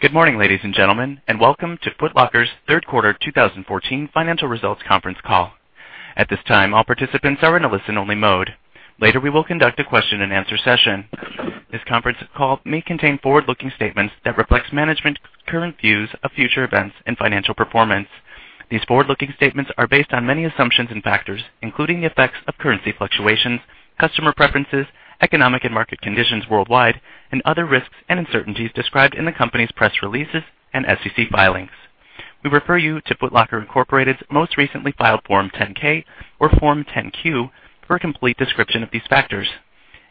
Good morning, ladies and gentlemen, and welcome to Foot Locker's third quarter 2014 financial results conference call. At this time, all participants are in a listen-only mode. Later, we will conduct a question-and-answer session. This conference call may contain forward-looking statements that reflect management's current views of future events and financial performance. These forward-looking statements are based on many assumptions and factors, including the effects of currency fluctuations, customer preferences, economic and market conditions worldwide, and other risks and uncertainties described in the company's press releases and SEC filings. We refer you to Foot Locker, Inc.'s most recently filed Form 10-K or Form 10-Q for a complete description of these factors.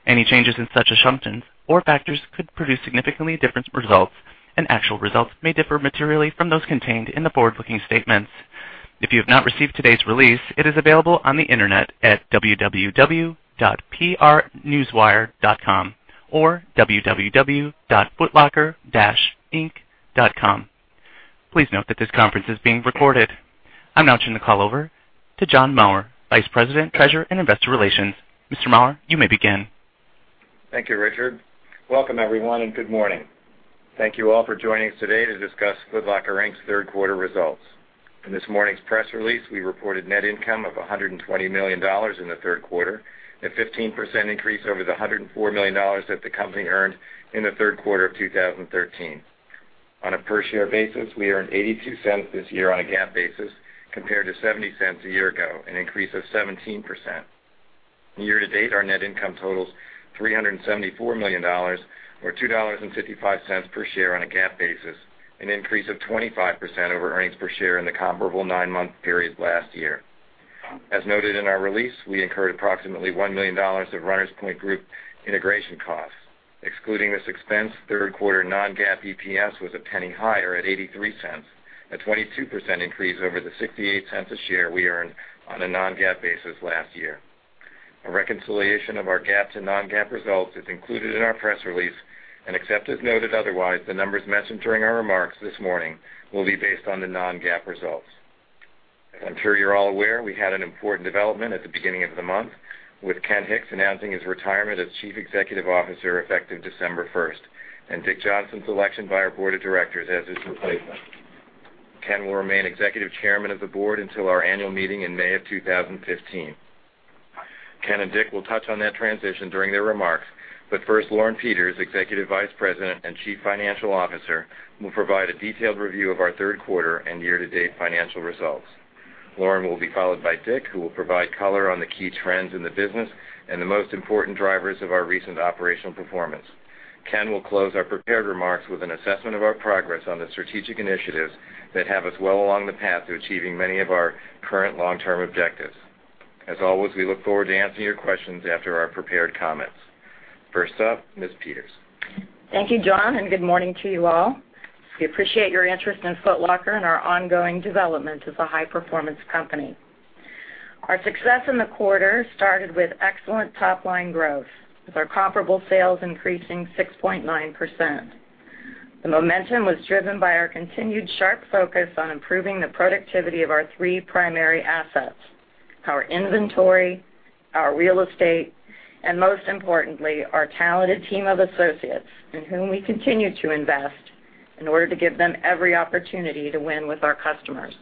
Any changes in such assumptions or factors could produce significantly different results, and actual results may differ materially from those contained in the forward-looking statements. If you have not received today's release, it is available on the internet at www.prnewswire.com or www.footlocker-inc.com. Please note that this conference is being recorded. I am now turning the call over to John Maurer, Vice President, Treasurer, and Investor Relations. Mr. Maurer, you may begin. Thank you, Richard. Welcome, everyone, and good morning. Thank you all for joining us today to discuss Foot Locker, Inc.'s third quarter results. In this morning's press release, we reported net income of $120 million in the third quarter, a 15% increase over the $104 million that the company earned in the third quarter of 2013. On a per-share basis, we earned $0.82 this year on a GAAP basis, compared to $0.70 a year ago, an increase of 17%. Year-to-date, our net income totals $374 million or $2.55 per share on a GAAP basis, an increase of 25% over earnings per share in the comparable nine-month period last year. As noted in our release, we incurred approximately $1 million of Runners Point Group integration costs. Excluding this expense, third quarter non-GAAP EPS was a penny higher at $0.83, a 22% increase over the $0.68 a share we earned on a non-GAAP basis last year. A reconciliation of our GAAP to non-GAAP results is included in our press release, and except as noted otherwise, the numbers mentioned during our remarks this morning will be based on the non-GAAP results. As I am sure you are all aware, we had an important development at the beginning of the month with Ken Hicks announcing his retirement as Chief Executive Officer effective December 1st, and Richard Johnson's election by our board of directors as his replacement. Ken will remain Executive Chairman of the board until our annual meeting in May of 2015. Ken and Dick will touch on that transition during their remarks. First, Lauren Peters, Executive Vice President and Chief Financial Officer, will provide a detailed review of our third quarter and year-to-date financial results. Lauren will be followed by Dick, who will provide color on the key trends in the business and the most important drivers of our recent operational performance. Ken will close our prepared remarks with an assessment of our progress on the strategic initiatives that have us well along the path to achieving many of our current long-term objectives. As always, we look forward to answering your questions after our prepared comments. First up, Ms. Peters. Thank you, John, and good morning to you all. We appreciate your interest in Foot Locker and our ongoing development as a high-performance company. Our success in the quarter started with excellent top-line growth, with our comparable sales increasing 6.9%. The momentum was driven by our continued sharp focus on improving the productivity of our three primary assets, our inventory, our real estate, and most importantly, our talented team of associates in whom we continue to invest in order to give them every opportunity to win with our customers.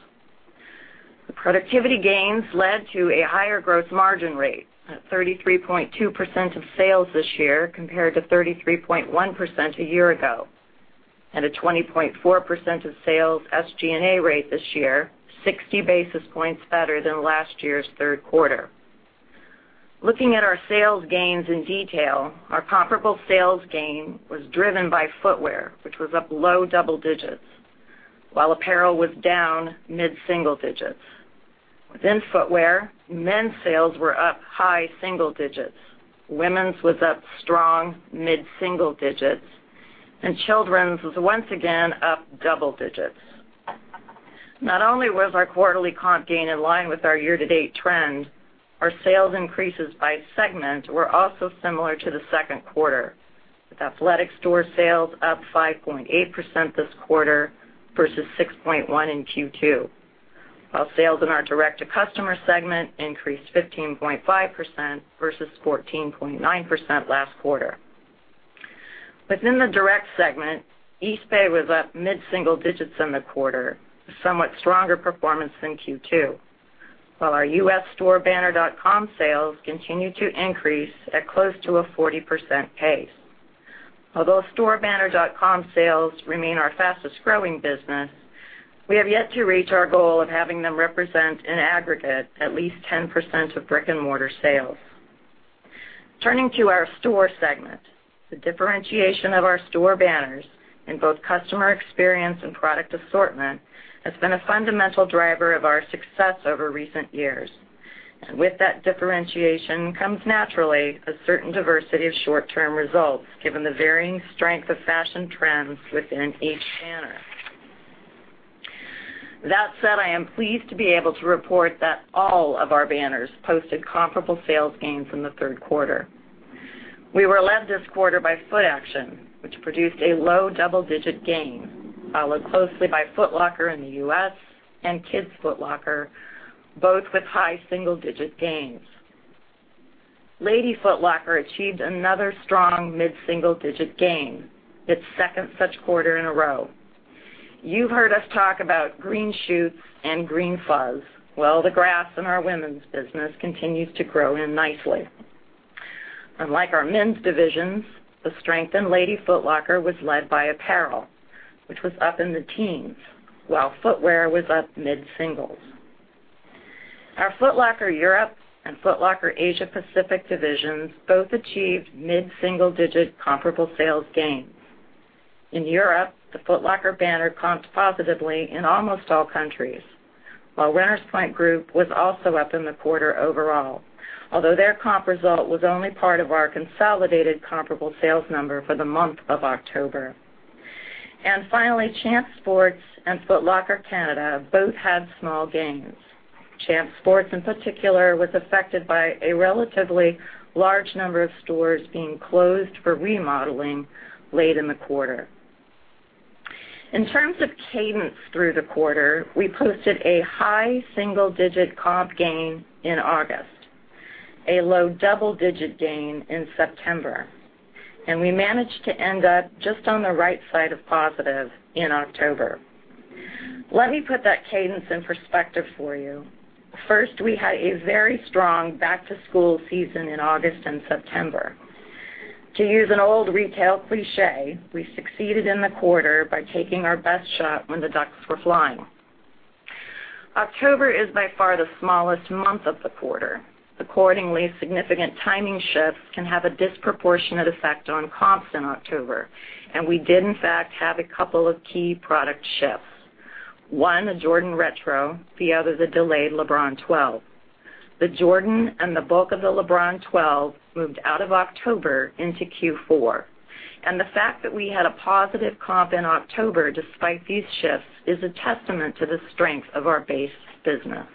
The productivity gains led to a higher gross margin rate at 33.2% of sales this year compared to 33.1% a year ago, and a 20.4% of sales SG&A rate this year, 60 basis points better than last year's third quarter. Looking at our sales gains in detail, our comparable sales gain was driven by footwear, which was up low double digits, while apparel was down mid-single digits. Within footwear, men's sales were up high single digits. Women's was up strong mid-single digits, and children's was once again up double digits. Not only was our quarterly comp gain in line with our year-to-date trend, our sales increases by segment were also similar to the second quarter, with athletic store sales up 5.8% this quarter versus 6.1% in Q2. While sales in our direct-to-customer segment increased 15.5% versus 14.9% last quarter. Within the direct segment, Eastbay was up mid-single digits in the quarter, a somewhat stronger performance than Q2. While our U.S. store-banner dot-com sales continued to increase at close to a 40% pace. Although store-banner dot-com sales remain our fastest-growing business, we have yet to reach our goal of having them represent an aggregate at least 10% of brick-and-mortar sales. Turning to our store segment, the differentiation of our store banners in both customer experience and product assortment has been a fundamental driver of our success over recent years. With that differentiation comes naturally a certain diversity of short-term results, given the varying strength of fashion trends within each banner. That said, I am pleased to be able to report that all of our banners posted comparable sales gains in the third quarter. We were led this quarter by Footaction, which produced a low double-digit gain, followed closely by Foot Locker in the U.S. and Kids Foot Locker, both with high single-digit gains. Lady Foot Locker achieved another strong mid-single-digit gain, its second such quarter in a row. You've heard us talk about green shoots and green fuzz. Well, the grass in our women's business continues to grow in nicely. Unlike our men's divisions, the strength in Lady Foot Locker was led by apparel, which was up in the teens, while footwear was up mid-singles. Our Foot Locker Europe and Foot Locker Asia Pacific divisions both achieved mid-single-digit comparable sales gains. In Europe, the Foot Locker banner comped positively in almost all countries, while Runners Point Group was also up in the quarter overall, although their comp result was only part of our consolidated comparable sales number for the month of October. Finally, Champs Sports and Foot Locker Canada both had small gains. Champs Sports, in particular, was affected by a relatively large number of stores being closed for remodeling late in the quarter. In terms of cadence through the quarter, we posted a high single-digit comp gain in August, a low double-digit gain in September, and we managed to end up just on the right side of positive in October. Let me put that cadence in perspective for you. First, we had a very strong back-to-school season in August and September. To use an old retail cliche, we succeeded in the quarter by taking our best shot when the ducks were flying. October is by far the smallest month of the quarter. Accordingly, significant timing shifts can have a disproportionate effect on comps in October, and we did in fact, have a couple of key product shifts. One, a Jordan Retro, the other, the delayed LeBron 12. The Jordan and the bulk of the LeBron 12 moved out of October into Q4. The fact that we had a positive comp in October despite these shifts is a testament to the strength of our base business.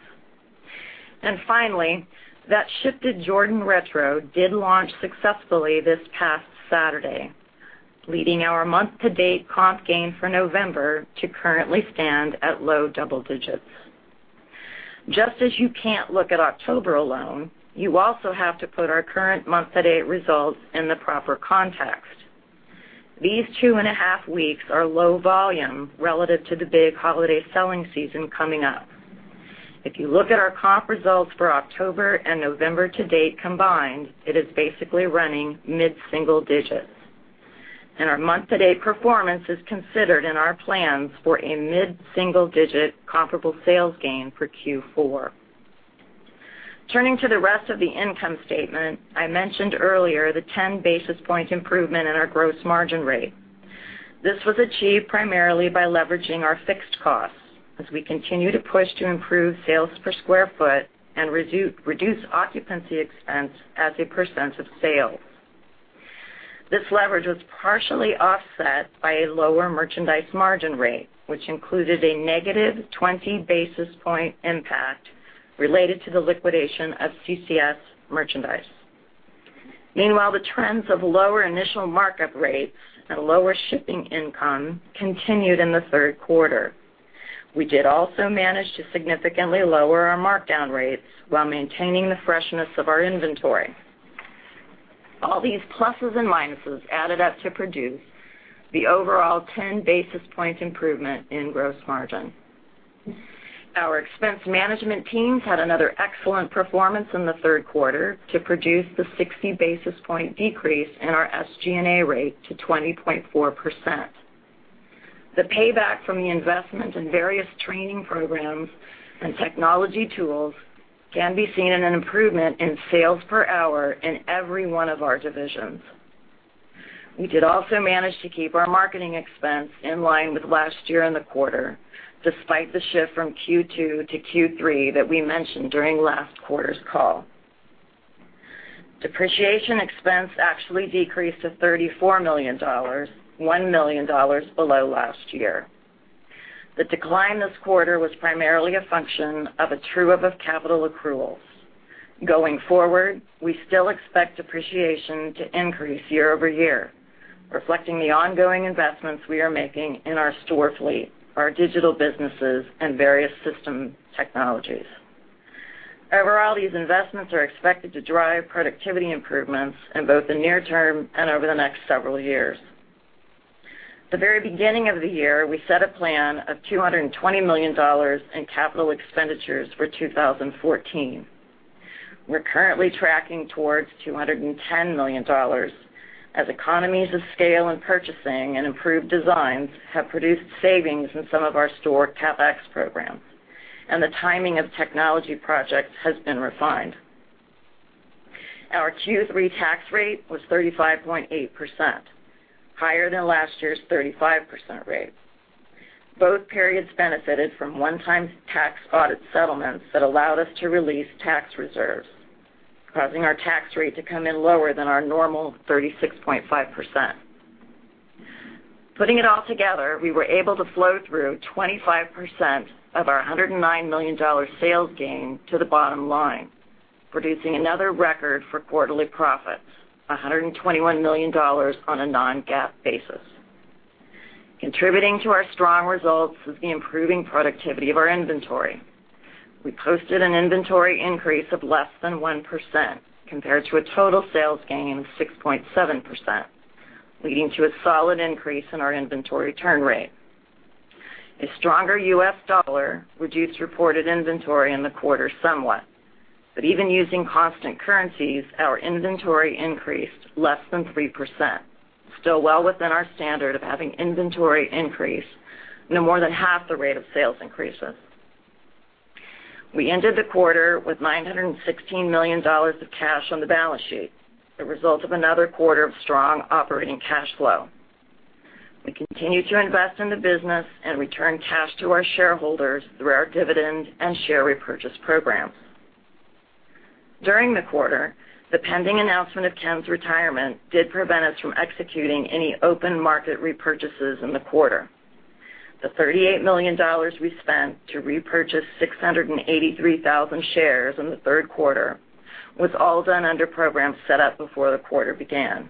Finally, that shifted Jordan Retro did launch successfully this past Saturday, leading our month-to-date comp gain for November to currently stand at low double digits. Just as you can't look at October alone, you also have to put our current month-to-date results in the proper context. These two and a half weeks are low volume relative to the big holiday selling season coming up. If you look at our comp results for October and November to date combined, it is basically running mid-single digits. Our month-to-date performance is considered in our plans for a mid-single-digit comparable sales gain for Q4. Turning to the rest of the income statement, I mentioned earlier the 10-basis-point improvement in our gross margin rate. This was achieved primarily by leveraging our fixed costs as we continue to push to improve sales per square foot and reduce occupancy expense as a % of sales. This leverage was partially offset by a lower merchandise margin rate, which included a negative 20-basis-point impact related to the liquidation of CCS merchandise. Meanwhile, the trends of lower initial markup rates and lower shipping income continued in the third quarter. We did also manage to significantly lower our markdown rates while maintaining the freshness of our inventory. All these pluses and minuses added up to produce the overall 10-basis-point improvement in gross margin. Our expense management teams had another excellent performance in the third quarter to produce the 60-basis-point decrease in our SG&A rate to 20.4%. The payback from the investment in various training programs and technology tools can be seen in an improvement in sales per hour in every one of our divisions. We did also manage to keep our marketing expense in line with last year in the quarter, despite the shift from Q2 to Q3 that we mentioned during last quarter's call. Depreciation expense actually decreased to $34 million, $1 million below last year. The decline this quarter was primarily a function of a true-up of capital accruals. Going forward, we still expect depreciation to increase year-over-year, reflecting the ongoing investments we are making in our store fleet, our digital businesses, and various system technologies. Overall, these investments are expected to drive productivity improvements in both the near term and over the next several years. The very beginning of the year, we set a plan of $220 million in capital expenditures for 2014. We're currently tracking towards $210 million as economies of scale in purchasing and improved designs have produced savings in some of our store CapEx programs, and the timing of technology projects has been refined. Our Q3 tax rate was 35.8%, higher than last year's 35% rate. Both periods benefited from one-time tax audit settlements that allowed us to release tax reserves, causing our tax rate to come in lower than our normal 36.5%. Putting it all together, we were able to flow through 25% of our $109 million sales gain to the bottom line, producing another record for quarterly profits, $121 million on a non-GAAP basis. Contributing to our strong results is the improving productivity of our inventory. We posted an inventory increase of less than 1% compared to a total sales gain of 6.7%, leading to a solid increase in our inventory turn rate. A stronger U.S. dollar reduced reported inventory in the quarter somewhat, but even using constant currencies, our inventory increased less than 3%, still well within our standard of having inventory increase no more than half the rate of sales increases. We ended the quarter with $916 million of cash on the balance sheet, the result of another quarter of strong operating cash flow. We continue to invest in the business and return cash to our shareholders through our dividends and share repurchase programs. During the quarter, the pending announcement of Ken's retirement did prevent us from executing any open market repurchases in the quarter. The $38 million we spent to repurchase 683,000 shares in the third quarter was all done under programs set up before the quarter began.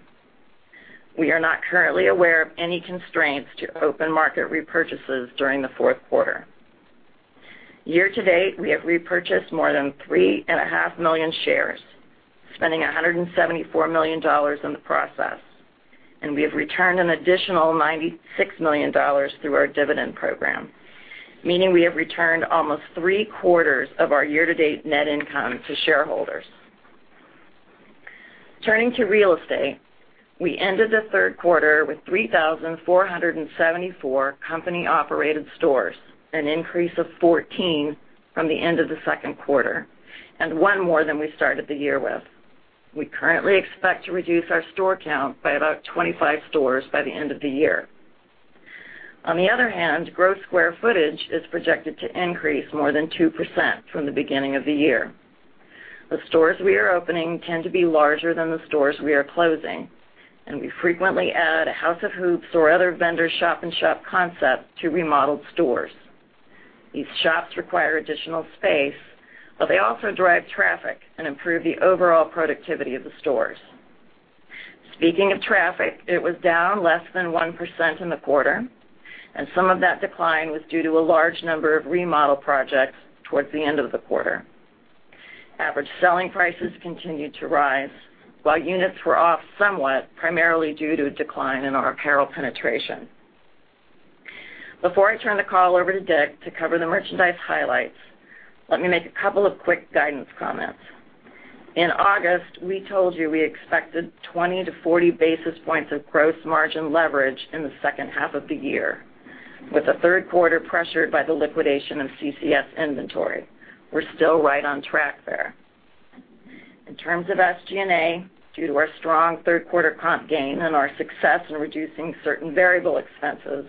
We are not currently aware of any constraints to open market repurchases during the fourth quarter. Year-to-date, we have repurchased more than three and a half million shares, spending $174 million in the process. We have returned an additional $96 million through our dividend program, meaning we have returned almost three-quarters of our year-to-date net income to shareholders. Turning to real estate, we ended the third quarter with 3,474 company-operated stores, an increase of 14 from the end of the second quarter, and one more than we started the year with. We currently expect to reduce our store count by about 25 stores by the end of the year. On the other hand, gross square footage is projected to increase more than 2% from the beginning of the year. The stores we are opening tend to be larger than the stores we are closing, and we frequently add a House of Hoops or other vendor shop-in-shop concept to remodeled stores. These shops require additional space, they also drive traffic and improve the overall productivity of the stores. Speaking of traffic, it was down less than 1% in the quarter, and some of that decline was due to a large number of remodel projects towards the end of the quarter. Average selling prices continued to rise while units were off somewhat, primarily due to a decline in our apparel penetration. Before I turn the call over to Dick to cover the merchandise highlights, let me make a couple of quick guidance comments. In August, we told you we expected 20 to 40 basis points of gross margin leverage in the second half of the year, with the third quarter pressured by the liquidation of CCS inventory. We're still right on track there. In terms of SG&A, due to our strong third quarter comp gain and our success in reducing certain variable expenses,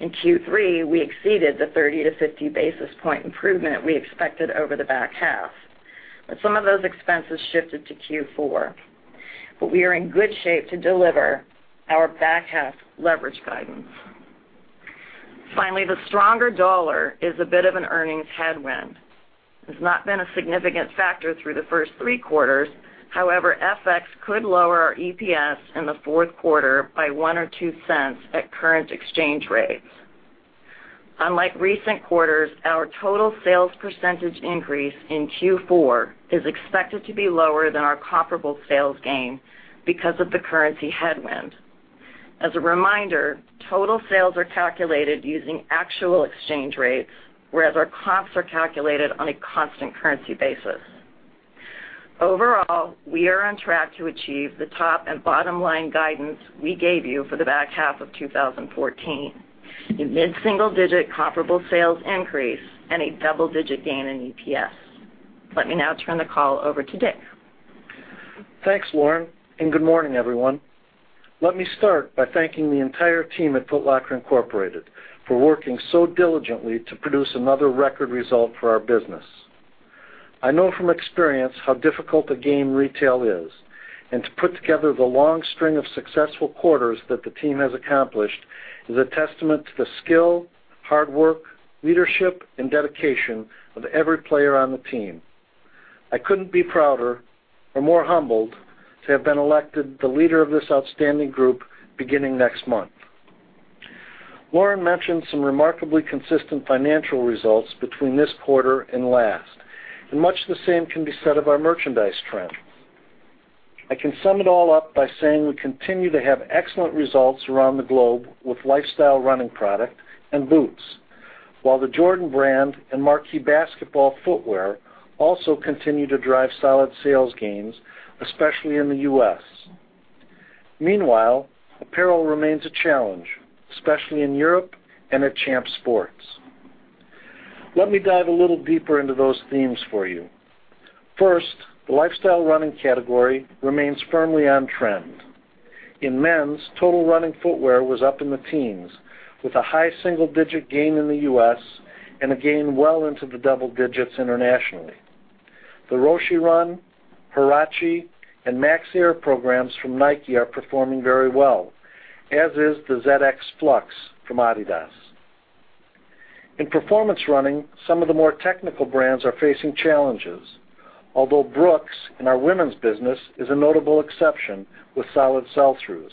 in Q3, we exceeded the 30 to 50 basis point improvement we expected over the back half. Some of those expenses shifted to Q4. We are in good shape to deliver our back-half leverage guidance. Finally, the stronger dollar is a bit of an earnings headwind. It has not been a significant factor through the first three quarters. However, FX could lower our EPS in the fourth quarter by $0.01 or $0.02 at current exchange rates. Unlike recent quarters, our total sales percentage increase in Q4 is expected to be lower than our comparable sales gain because of the currency headwind. As a reminder, total sales are calculated using actual exchange rates, whereas our comps are calculated on a constant currency basis. Overall, we are on track to achieve the top and bottom-line guidance we gave you for the back half of 2014 in mid-single-digit comparable sales increase and a double-digit gain in EPS. Let me now turn the call over to Dick. Thanks, Lauren, good morning, everyone. Let me start by thanking the entire team at Foot Locker Incorporated for working so diligently to produce another record result for our business. I know from experience how difficult a game retail is, to put together the long string of successful quarters that the team has accomplished is a testament to the skill, hard work, leadership, and dedication of every player on the team. I couldn't be prouder or more humbled to have been elected the leader of this outstanding group beginning next month. Lauren mentioned some remarkably consistent financial results between this quarter and last, much the same can be said of our merchandise trends. I can sum it all up by saying we continue to have excellent results around the globe with lifestyle running product and boots. While the Jordan brand and Marquee basketball footwear also continue to drive solid sales gains, especially in the U.S. Meanwhile, apparel remains a challenge, especially in Europe and at Champs Sports. Let me dive a little deeper into those themes for you. First, the lifestyle running category remains firmly on trend. In men's, total running footwear was up in the teens with a high single-digit gain in the U.S. and a gain well into the double digits internationally. The Roshe Run, Huarache, and Air Max programs from Nike are performing very well, as is the ZX Flux from Adidas. In performance running, some of the more technical brands are facing challenges. Although Brooks, in our women's business, is a notable exception with solid sell-throughs.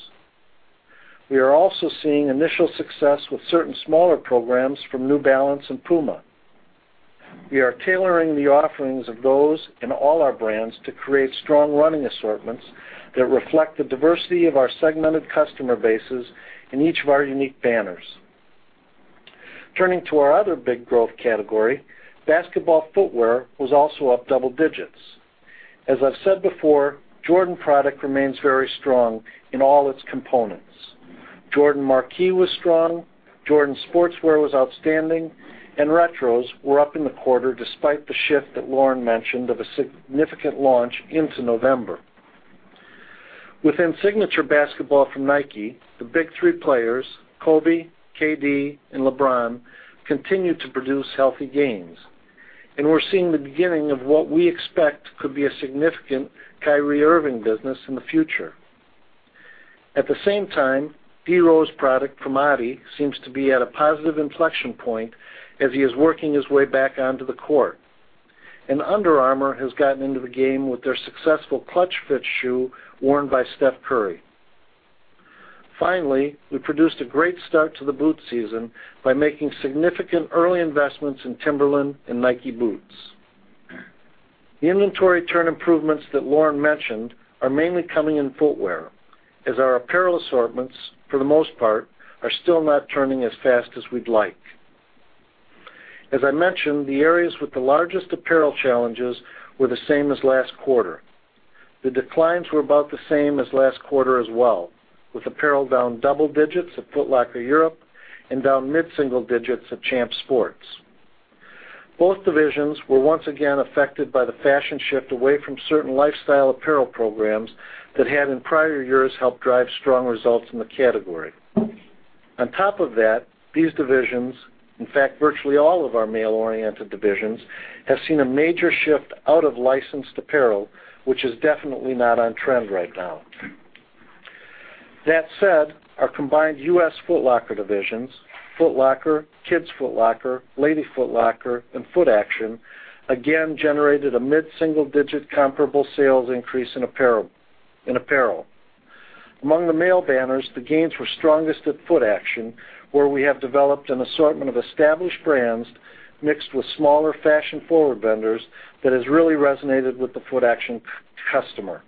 We are also seeing initial success with certain smaller programs from New Balance and Puma. We are tailoring the offerings of those and all our brands to create strong running assortments that reflect the diversity of our segmented customer bases in each of our unique banners. Turning to our other big growth category, basketball footwear was also up double digits. As I've said before, Jordan product remains very strong in all its components. Jordan Marquee was strong, Jordan Sportswear was outstanding, and retros were up in the quarter despite the shift that Lauren mentioned of a significant launch into November. Within signature basketball from Nike, the big three players, Kobe, KD, and LeBron, continued to produce healthy gains, and we're seeing the beginning of what we expect could be a significant Kyrie Irving business in the future. At the same time, D Rose product from Adi seems to be at a positive inflection point as he is working his way back onto the court. Under Armour has gotten into the game with their successful ClutchFit shoe worn by Steph Curry. Finally, we produced a great start to the boot season by making significant early investments in Timberland and Nike boots. The inventory turn improvements that Lauren mentioned are mainly coming in footwear, as our apparel assortments, for the most part, are still not turning as fast as we'd like. As I mentioned, the areas with the largest apparel challenges were the same as last quarter. The declines were about the same as last quarter as well, with apparel down double digits at Foot Locker Europe and down mid-single digits at Champs Sports. Both divisions were once again affected by the fashion shift away from certain lifestyle apparel programs that had in prior years helped drive strong results in the category. On top of that, these divisions, in fact, virtually all of our male-oriented divisions, have seen a major shift out of licensed apparel, which is definitely not on trend right now. That said, our combined U.S. Foot Locker divisions, Foot Locker, Kids Foot Locker, Lady Foot Locker, and Footaction, again generated a mid-single digit comparable sales increase in apparel. Among the male banners, the gains were strongest at Footaction, where we have developed an assortment of established brands mixed with smaller fashion-forward vendors that has really resonated with the Footaction customer.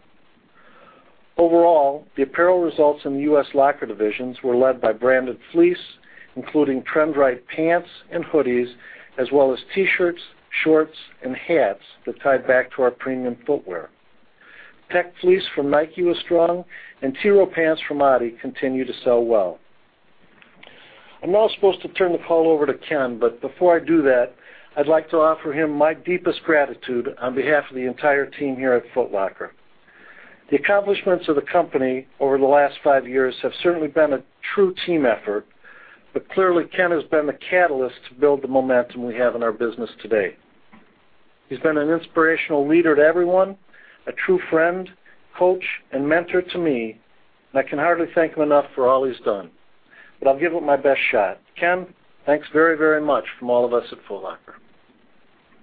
Overall, the apparel results in the U.S. Foot Locker divisions were led by branded fleece, including trend-right pants and hoodies, as well as T-shirts, shorts, and hats that tied back to our premium footwear. Tech Fleece from Nike was strong and Tiro pants from Adi continue to sell well. I'm now supposed to turn the call over to Ken, but before I do that, I'd like to offer him my deepest gratitude on behalf of the entire team here at Foot Locker. The accomplishments of the company over the last five years have certainly been a true team effort, but clearly Ken has been the catalyst to build the momentum we have in our business today. He's been an inspirational leader to everyone, a true friend, coach, and mentor to me, and I can hardly thank him enough for all he's done, but I'll give it my best shot. Ken, thanks very much from all of us at Foot Locker.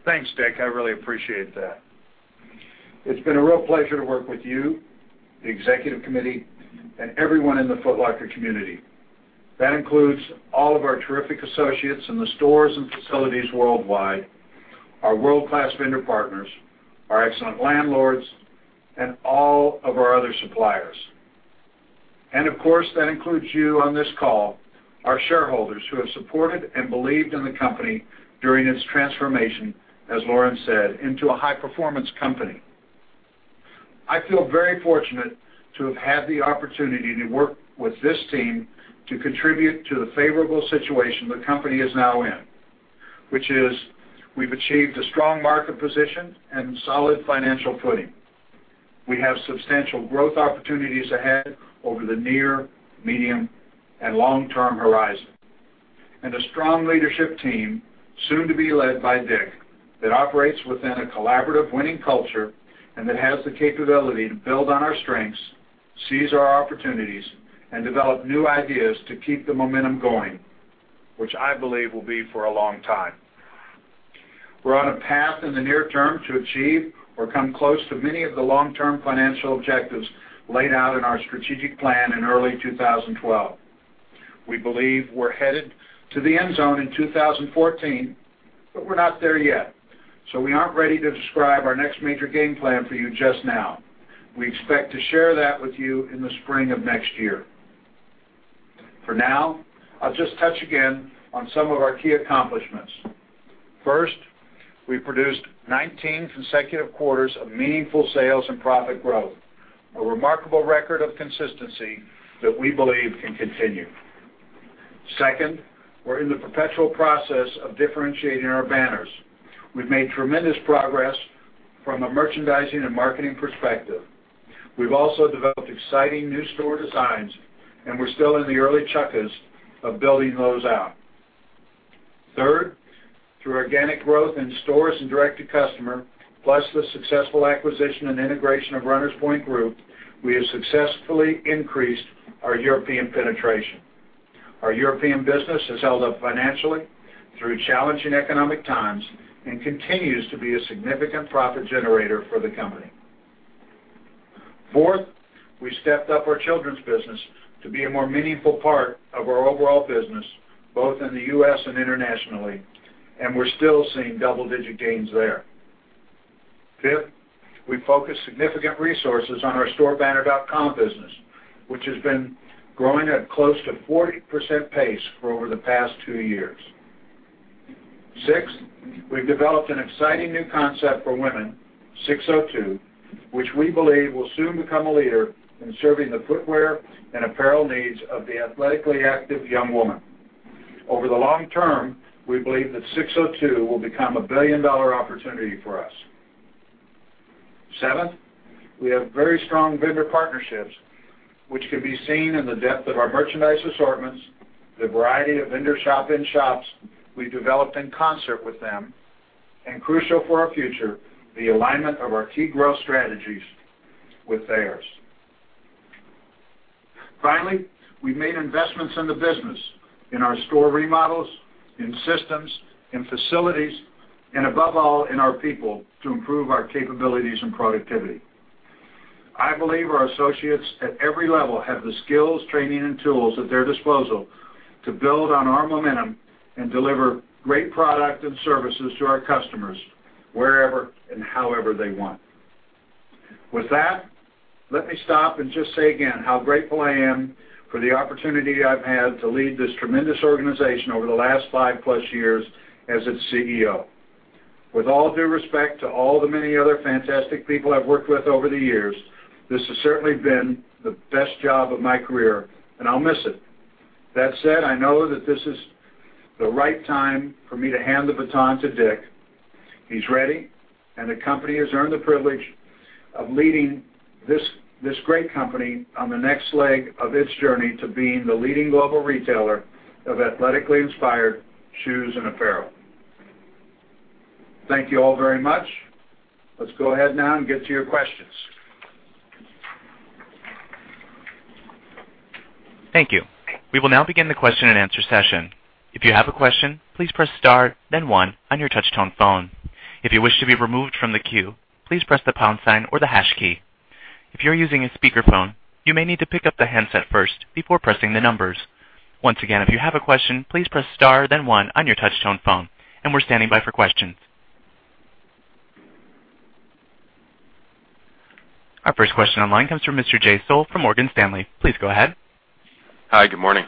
Thanks, Dick. I really appreciate that. It's been a real pleasure to work with you, the executive committee, and everyone in the Foot Locker community. That includes all of our terrific associates in the stores and facilities worldwide, our world-class vendor partners, our excellent landlords, and all of our other suppliers. Of course, that includes you on this call, our shareholders who have supported and believed in the company during its transformation, as Lauren said, into a high-performance company. I feel very fortunate to have had the opportunity to work with this team to contribute to the favorable situation the company is now in. Which is, we've achieved a strong market position and solid financial footing. We have substantial growth opportunities ahead over the near, medium, and long-term horizon. A strong leadership team, soon to be led by Dick, that operates within a collaborative winning culture and that has the capability to build on our strengths, seize our opportunities, and develop new ideas to keep the momentum going, which I believe will be for a long time. We're on a path in the near term to achieve or come close to many of the long-term financial objectives laid out in our strategic plan in early 2012. We believe we're headed to the end zone in 2014, but we're not there yet, so we aren't ready to describe our next major game plan for you just now. We expect to share that with you in the spring of next year. For now, I'll just touch again on some of our key accomplishments. First, we produced 19 consecutive quarters of meaningful sales and profit growth, a remarkable record of consistency that we believe can continue. Second, we're in the perpetual process of differentiating our banners. We've made tremendous progress from a merchandising and marketing perspective. We've also developed exciting new store designs, and we're still in the early chukkas of building those out. Third, through organic growth in stores and direct-to-customer, plus the successful acquisition and integration of Runners Point Group, we have successfully increased our European penetration. Our European business has held up financially through challenging economic times and continues to be a significant profit generator for the company. Fourth, we stepped up our children's business to be a more meaningful part of our overall business, both in the U.S. and internationally, and we're still seeing double-digit gains there. Fifth, we focus significant resources on our store-banner dot-com business, which has been growing at close to 40% pace for over the past two years. Sixth, we've developed an exciting new concept for women, SIX:02, which we believe will soon become a leader in serving the footwear and apparel needs of the athletically active young woman. Over the long term, we believe that SIX:02 will become a billion-dollar opportunity for us. Seventh, we have very strong vendor partnerships, which can be seen in the depth of our merchandise assortments, the variety of vendor shop-in-shops we've developed in concert with them, and crucial for our future, the alignment of our key growth strategies with theirs. Finally, we've made investments in the business, in our store remodels, in systems, in facilities, and above all, in our people to improve our capabilities and productivity. I believe our associates at every level have the skills, training, and tools at their disposal to build on our momentum and deliver great product and services to our customers wherever and however they want. With that, let me stop and just say again how grateful I am for the opportunity I've had to lead this tremendous organization over the last five-plus years as its CEO. With all due respect to all the many other fantastic people I've worked with over the years, this has certainly been the best job of my career, and I'll miss it. That said, I know that this is the right time for me to hand the baton to Dick. He's ready, the company has earned the privilege of leading this great company on the next leg of its journey to being the leading global retailer of athletically inspired shoes and apparel. Thank you all very much. Let's go ahead now and get to your questions. Thank you. We will now begin the question-and-answer session. If you have a question, please press star then one on your touch-tone phone. If you wish to be removed from the queue, please press the pound sign or the hash key. If you're using a speakerphone, you may need to pick up the handset first before pressing the numbers. Once again, if you have a question, please press star then one on your touch-tone phone. We're standing by for questions. Our first question online comes from Mr. Jay Sole from Morgan Stanley. Please go ahead. Hi. Good morning.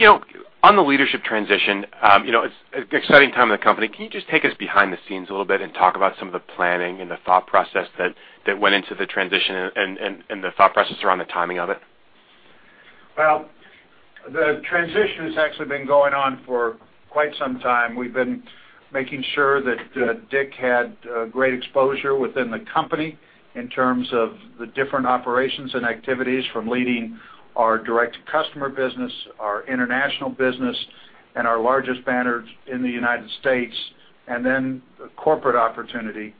Morning. On the leadership transition, it's an exciting time in the company. Can you just take us behind the scenes a little bit and talk about some of the planning and the thought process that went into the transition and the thought process around the timing of it? Well, the transition has actually been going on for quite some time. We've been making sure that Dick had great exposure within the company in terms of the different operations and activities from leading our direct-to-customer business, our international business, and our largest banners in the U.S., and then the corporate opportunity.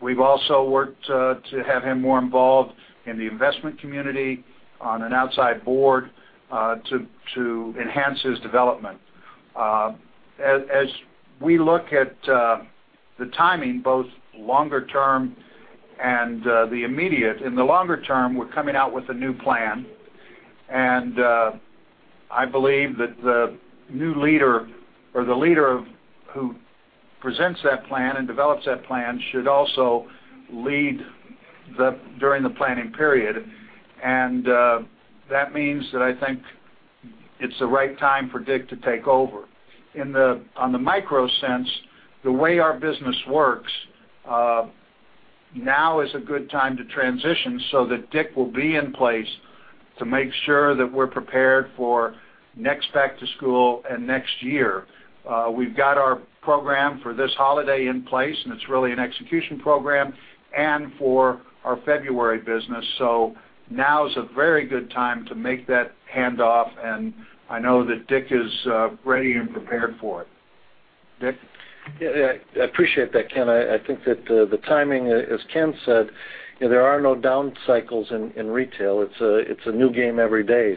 We've also worked to have him more involved in the investment community on an outside board to enhance his development. As we look at the timing, both longer term and the immediate, in the longer term, we're coming out with a new plan, and I believe that the new leader or the leader who presents that plan and develops that plan should also lead during the planning period. That means that I think it's the right time for Dick to take over. On the micro sense, the way our business works, now is a good time to transition so that Dick will be in place to make sure that we're prepared for next back-to-school and next year. We've got our program for this holiday in place, and it's really an execution program and for our February business. Now is a very good time to make that handoff, and I know that Dick is ready and prepared for it. Dick? I appreciate that, Ken Hicks. I think that the timing, as Ken Hicks said, there are no down cycles in retail. It's a new game every day.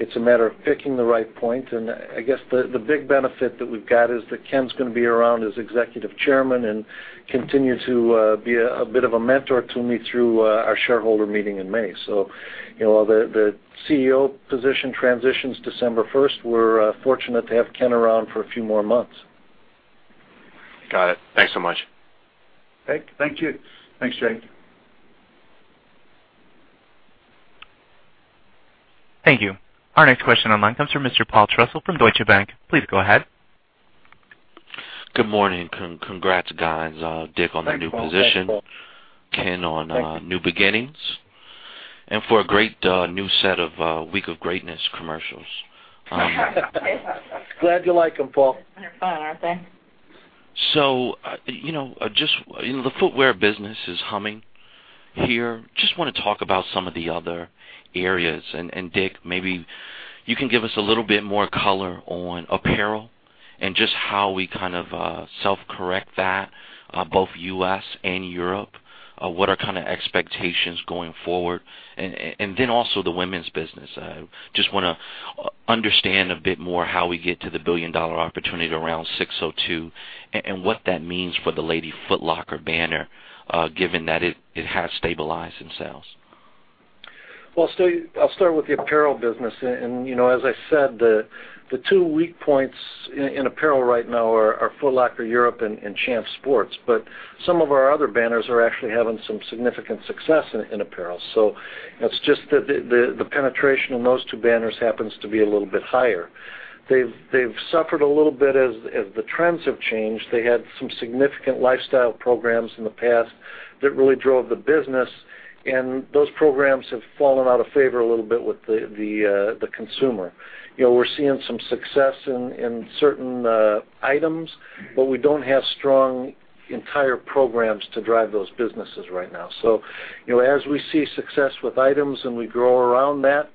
It's a matter of picking the right point. I guess the big benefit that we've got is that Ken Hicks is going to be around as Executive Chairman and continue to be a bit of a mentor to me through our shareholder meeting in May. The CEO position transitions December 1st. We're fortunate to have Ken Hicks around for a few more months. Got it. Thanks so much. Thank you. Thanks, Jay Sole. Thank you. Our next question online comes from Mr. Paul Trussell from Deutsche Bank. Please go ahead. Good morning. Congrats, guys. Thanks, Paul. Dick, on the new position. Ken. Thank you. on new beginnings and for a great new set of Week of Greatness commercials. Glad you like them, Paul. They're fun, aren't they? The footwear business is humming here. Just want to talk about some of the other areas. Dick, maybe you can give us a little bit more color on apparel and just how we kind of self-correct that, both U.S. and Europe. What are kind of expectations going forward? Also the women's business. Just want to understand a bit more how we get to the billion-dollar opportunity around SIX:02 and what that means for the Lady Foot Locker banner, given that it has stabilized in sales. Well, I'll start with the apparel business. As I said, the two weak points in apparel right now are Foot Locker Europe and Champs Sports. Some of our other banners are actually having some significant success in apparel. It's just that the penetration in those two banners happens to be a little bit higher. They've suffered a little bit as the trends have changed. They had some significant lifestyle programs in the past that really drove the business, and those programs have fallen out of favor a little bit with the consumer. We're seeing some success in certain items, but we don't have strong entire programs to drive those businesses right now. As we see success with items and we grow around that,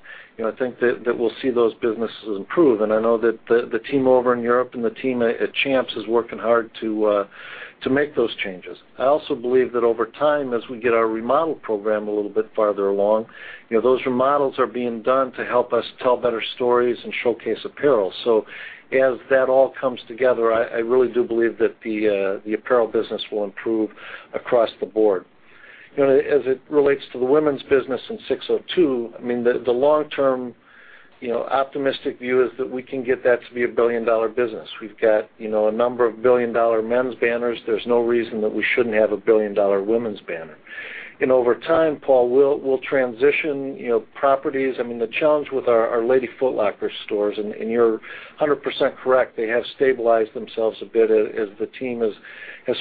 I think that we'll see those businesses improve. I know that the team over in Europe and the team at Champs is working hard to make those changes. I also believe that over time, as we get our remodel program a little bit farther along, those remodels are being done to help us tell better stories and showcase apparel. As that all comes together, I really do believe that the apparel business will improve across the board. As it relates to the women's business in SIX:02, the long-term optimistic view is that we can get that to be a billion-dollar business. We've got a number of billion-dollar men's banners. There's no reason that we shouldn't have a billion-dollar women's banner. Over time, Paul, we'll transition properties. The challenge with our Lady Foot Locker stores, you're 100% correct, they have stabilized themselves a bit as the team has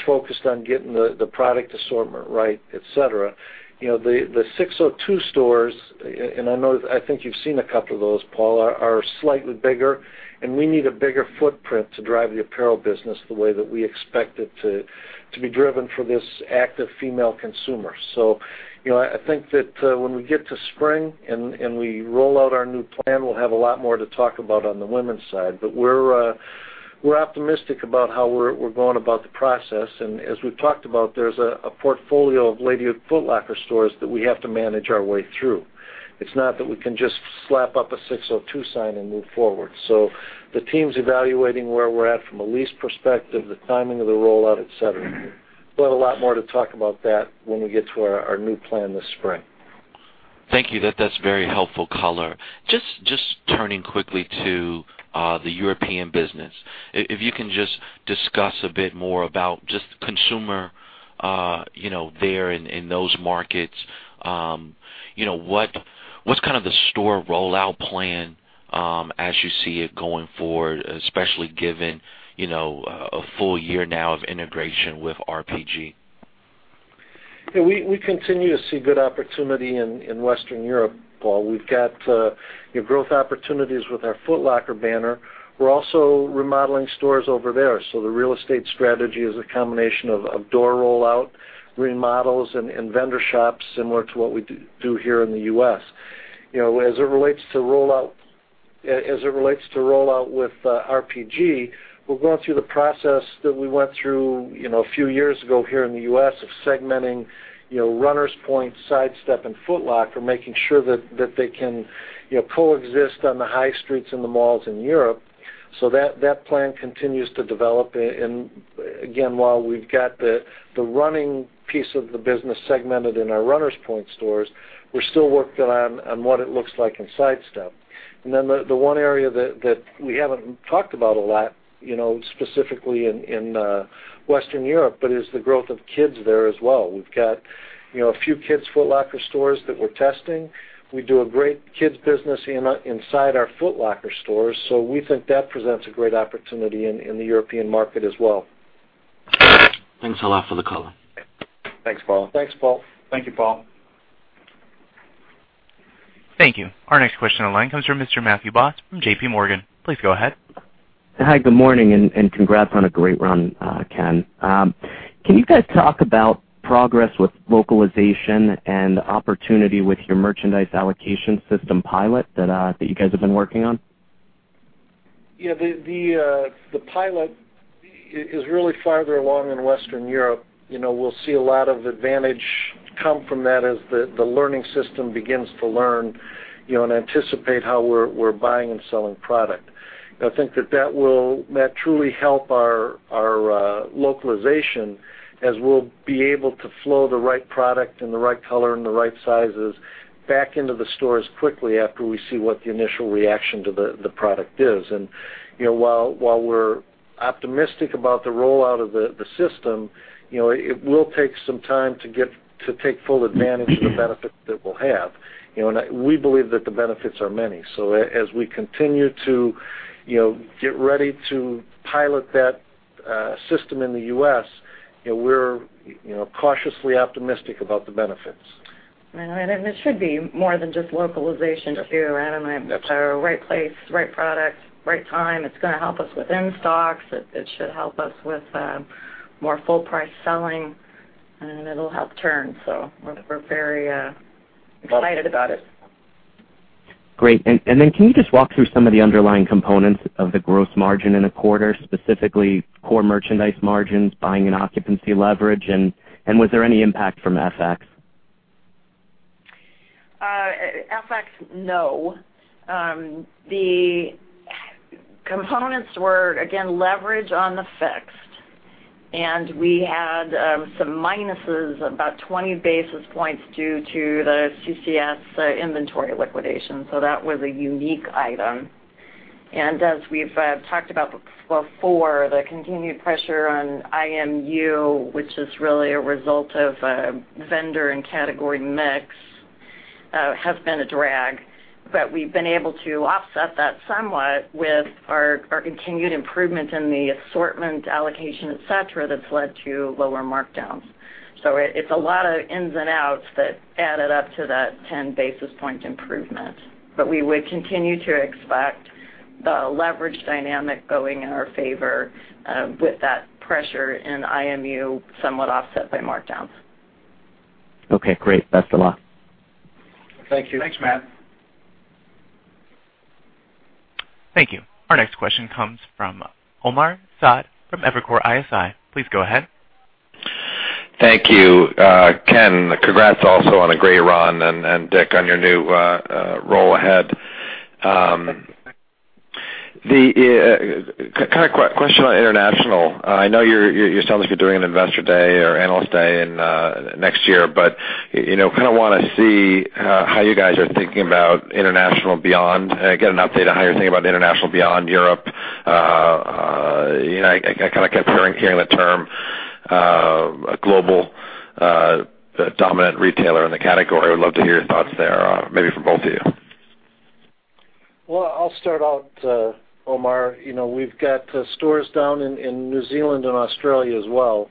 focused on getting the product assortment right, et cetera. The SIX:02 stores, I think you've seen a couple of those, Paul, are slightly bigger, and we need a bigger footprint to drive the apparel business the way that we expect it to be driven for this active female consumer. I think that when we get to spring and we roll out our new plan, we'll have a lot more to talk about on the women's side. We're optimistic about how we're going about the process. As we've talked about, there's a portfolio of Lady Foot Locker stores that we have to manage our way through. It's not that we can just slap up a SIX:02 sign and move forward. The team's evaluating where we're at from a lease perspective, the timing of the rollout, et cetera. We'll have a lot more to talk about that when we get to our new plan this spring. Thank you. That's very helpful color. Just turning quickly to the European business. If you can just discuss a bit more about just consumer there in those markets. What's kind of the store rollout plan as you see it going forward, especially given a full year now of integration with RPG? Yeah, we continue to see good opportunity in Western Europe, Paul. We've got growth opportunities with our Foot Locker banner. We're also remodeling stores over there, the real estate strategy is a combination of door rollout, remodels, and vendor shops similar to what we do here in the U.S. As it relates to rollout with RPG, we're going through the process that we went through a few years ago here in the U.S. of segmenting Runners Point, Sidestep, and Foot Locker, making sure that they can coexist on the high streets and the malls in Europe. That plan continues to develop, and again, while we've got the running piece of the business segmented in our Runners Point stores, we're still working on what it looks like in Sidestep. The one area that we haven't talked about a lot, specifically in Western Europe, but is the growth of kids there as well. We've got a few Kids Foot Locker stores that we're testing. We do a great kids business inside our Foot Locker stores, we think that presents a great opportunity in the European market as well. Thanks a lot for the color. Thanks, Paul. Thanks, Paul. Thank you, Paul. Thank you. Our next question in line comes from Mr. Matthew Boss from JPMorgan. Please go ahead. Hi, good morning and congrats on a great run, Ken. Can you guys talk about progress with localization and opportunity with your merchandise allocation system pilot that you guys have been working on? Yeah, the pilot is really farther along in Western Europe. We'll see a lot of advantage come from that as the learning system begins to learn and anticipate how we're buying and selling product. I think that will truly help our localization as we'll be able to flow the right product and the right color and the right sizes back into the stores quickly after we see what the initial reaction to the product is. While we're optimistic about the rollout of the system, it will take some time to take full advantage of the benefits that we'll have. We believe that the benefits are many. As we continue to get ready to pilot that system in the U.S., we're cautiously optimistic about the benefits. It should be more than just localization too. I don't know. Right place, right product, right time. It's going to help us with in-stocks. It should help us with more full price selling, and it'll help turn. We're very excited about it. Great. Can you just walk through some of the underlying components of the gross margin in a quarter, specifically core merchandise margins, buying, and occupancy leverage? Was there any impact from FX? FX, no. The components were, again, leverage on the fixed, and we had some minuses, about 20 basis points, due to the CCS inventory liquidation. That was a unique item. As we've talked about before, the continued pressure on IMU, which is really a result of vendor and category mix, has been a drag. We've been able to offset that somewhat with our continued improvement in the assortment allocation, et cetera, that's led to lower markdowns. It's a lot of ins and outs that added up to that 10 basis point improvement. We would continue to expect the leverage dynamic going in our favor with that pressure in IMU, somewhat offset by markdowns. Okay, great. Best of luck. Thank you. Thanks, Matt. Thank you. Our next question comes from Omar Saad from Evercore ISI. Please go ahead. Thank you, Ken. Congrats also on a great run and, Dick, on your new role ahead. Thanks. Kind of question on international. I know you're telling us you're doing an investor day or analyst day next year, kind of want to see how you guys are thinking about international beyond, get an update on how you're thinking about international beyond Europe. I kind of kept hearing the term a global dominant retailer in the category. I would love to hear your thoughts there, maybe from both of you. Well, I'll start out, Omar. We've got stores down in New Zealand and Australia as well.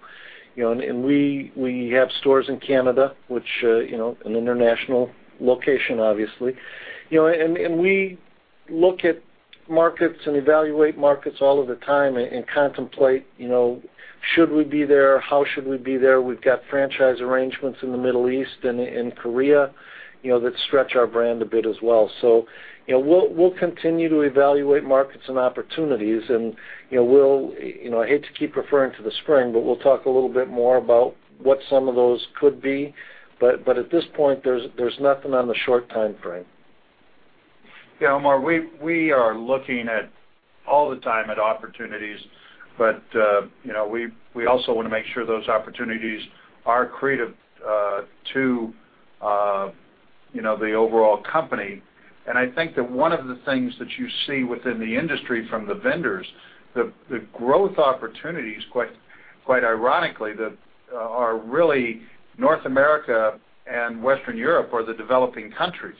We have stores in Canada, which an international location, obviously. We look at markets and evaluate markets all of the time and contemplate should we be there, how should we be there. We've got franchise arrangements in the Middle East and in Korea that stretch our brand a bit as well. We'll continue to evaluate markets and opportunities, and I hate to keep referring to the spring, we'll talk a little bit more about what some of those could be. At this point, there's nothing on the short timeframe. Yeah, Omar, we are looking all the time at opportunities. We also want to make sure those opportunities are accretive to the overall company. I think that one of the things that you see within the industry from the vendors, the growth opportunities, quite ironically, that are really North America and Western Europe are the developing countries.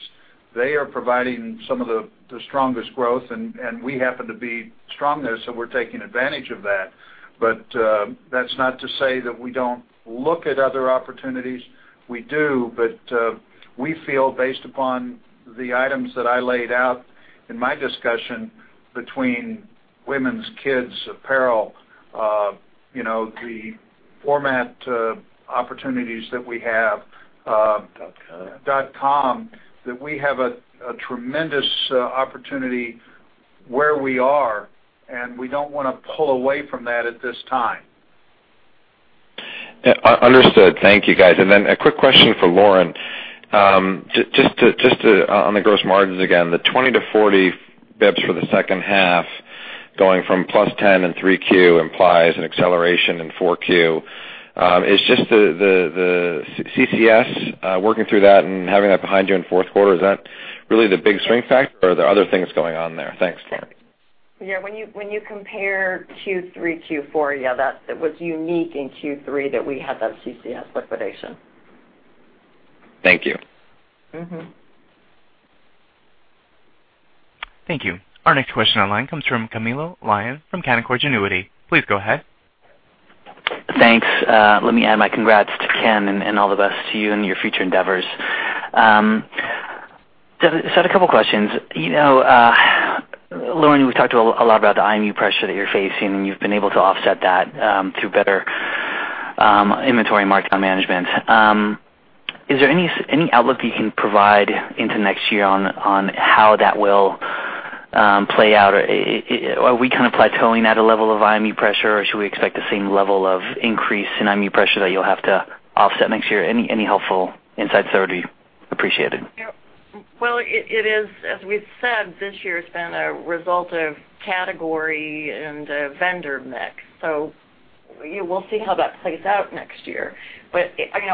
They are providing some of the strongest growth, and we happen to be strong there, so we're taking advantage of that. That's not to say that we don't look at other opportunities. We do, but we feel, based upon the items that I laid out in my discussion between women's, kids, apparel, the format opportunities that we have- dot com dot com, that we have a tremendous opportunity where we are, we don't want to pull away from that at this time. Understood. Thank you, guys. A quick question for Lauren, just on the gross margins again. The 20 to 40 basis points for the second half going from plus 10 basis points in Q3 implies an acceleration in Q4. Is just the CCS, working through that and having that behind you in fourth quarter, is that really the big swing factor, or are there other things going on there? Thanks, Lauren. Yeah. When you compare Q3, Q4, yeah, that was unique in Q3 that we had that CCS liquidation. Thank you. Thank you. Our next question online comes from Camilo Lyon from Canaccord Genuity. Please go ahead. Thanks. Let me add my congrats to Ken and all the best to you in your future endeavors. Just had a couple questions. Lauren, we talked a lot about the IMU pressure that you're facing, and you've been able to offset that through better inventory and markdown management. Is there any outlook you can provide into next year on how that will play out? Are we kind of plateauing at a level of IMU pressure, or should we expect the same level of increase in IMU pressure that you'll have to offset next year? Any helpful insights there would be appreciated. Well, as we've said, this year's been a result of category and vendor mix. We'll see how that plays out next year.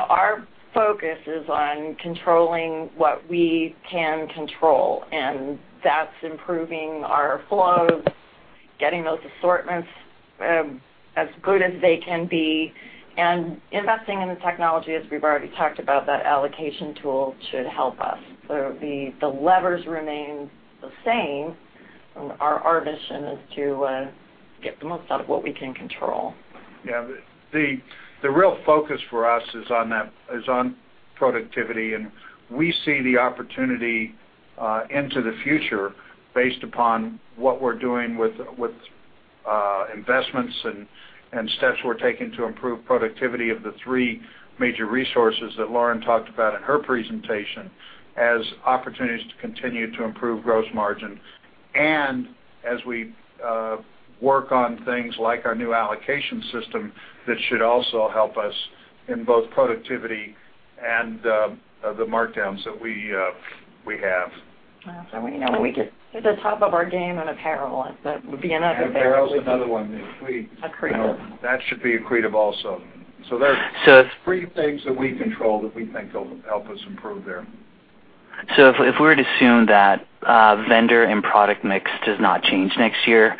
Our focus is on controlling what we can control, and that's improving our flows, getting those assortments as good as they can be, and investing in the technology, as we've already talked about, that allocation tool should help us. The levers remain the same. Our mission is to get the most out of what we can control. Yeah. The real focus for us is on productivity. We see the opportunity into the future based upon what we're doing with investments and steps we're taking to improve productivity of the three major resources that Lauren talked about in her presentation as opportunities to continue to improve gross margin. As we work on things like our new allocation system, that should also help us in both productivity and the markdowns that we have. Well, we know we could do the top of our game in apparel. That would be another thing. Apparel is another one. Accretive. That should be accretive also. There's three things that we control that we think will help us improve there. If we were to assume that vendor and product mix does not change next year,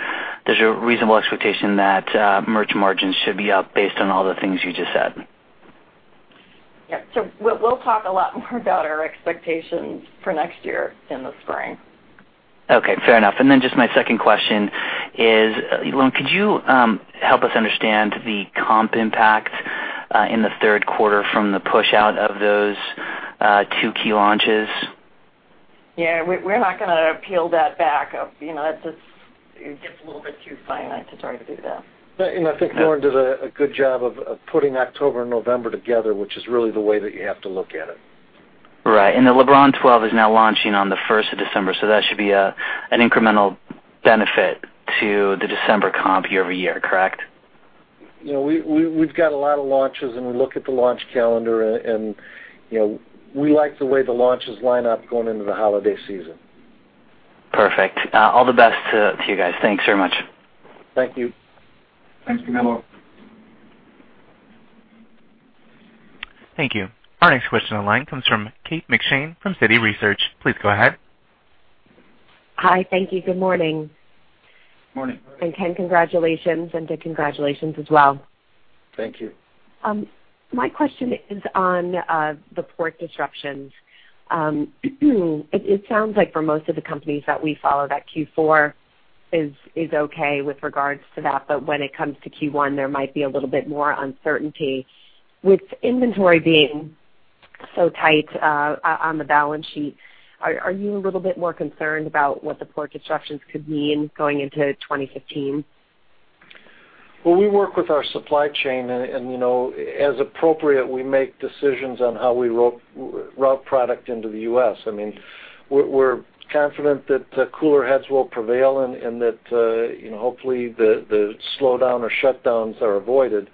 there's a reasonable expectation that merch margins should be up based on all the things you just said. Yeah. We'll talk a lot more about our expectations for next year in the spring. Okay. Fair enough. Just my second question is, Lauren, could you help us understand the comp impact in the third quarter from the push out of those two key launches? Yeah. We're not gonna peel that back. It gets a little bit too finite to try to do that. I think Lauren did a good job of putting October and November together, which is really the way that you have to look at it. Right. The LeBron 12 is now launching on the first of December, so that should be an incremental benefit to the December comp year-over-year, correct? We've got a lot of launches, and we look at the launch calendar, and we like the way the launches line up going into the holiday season. Perfect. All the best to you guys. Thanks very much. Thank you. Thanks, Camilo. Thank you. Our next question on line comes from Kate McShane from Citi Research. Please go ahead. Hi. Thank you. Good morning. Morning. Ken, congratulations, and Dick congratulations as well. Thank you. My question is on the port disruptions. It sounds like for most of the companies that we follow, that Q4 is okay with regards to that. When it comes to Q1, there might be a little bit more uncertainty. With inventory being so tight on the balance sheet, are you a little bit more concerned about what the port disruptions could mean going into 2015? We work with our supply chain and as appropriate, we make decisions on how we route product into the U.S. We're confident that cooler heads will prevail and that hopefully, the slowdown or shutdowns are avoided.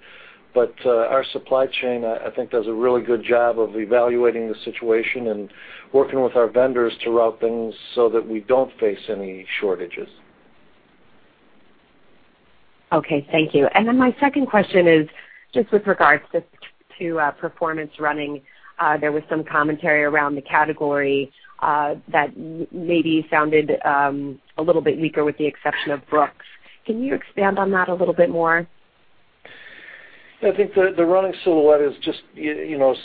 Our supply chain, I think, does a really good job of evaluating the situation and working with our vendors to route things so that we don't face any shortages. Okay, thank you. My second question is just with regards to performance running. There was some commentary around the category that maybe sounded a little bit weaker with the exception of Brooks. Can you expand on that a little bit more? I think the running silhouette is just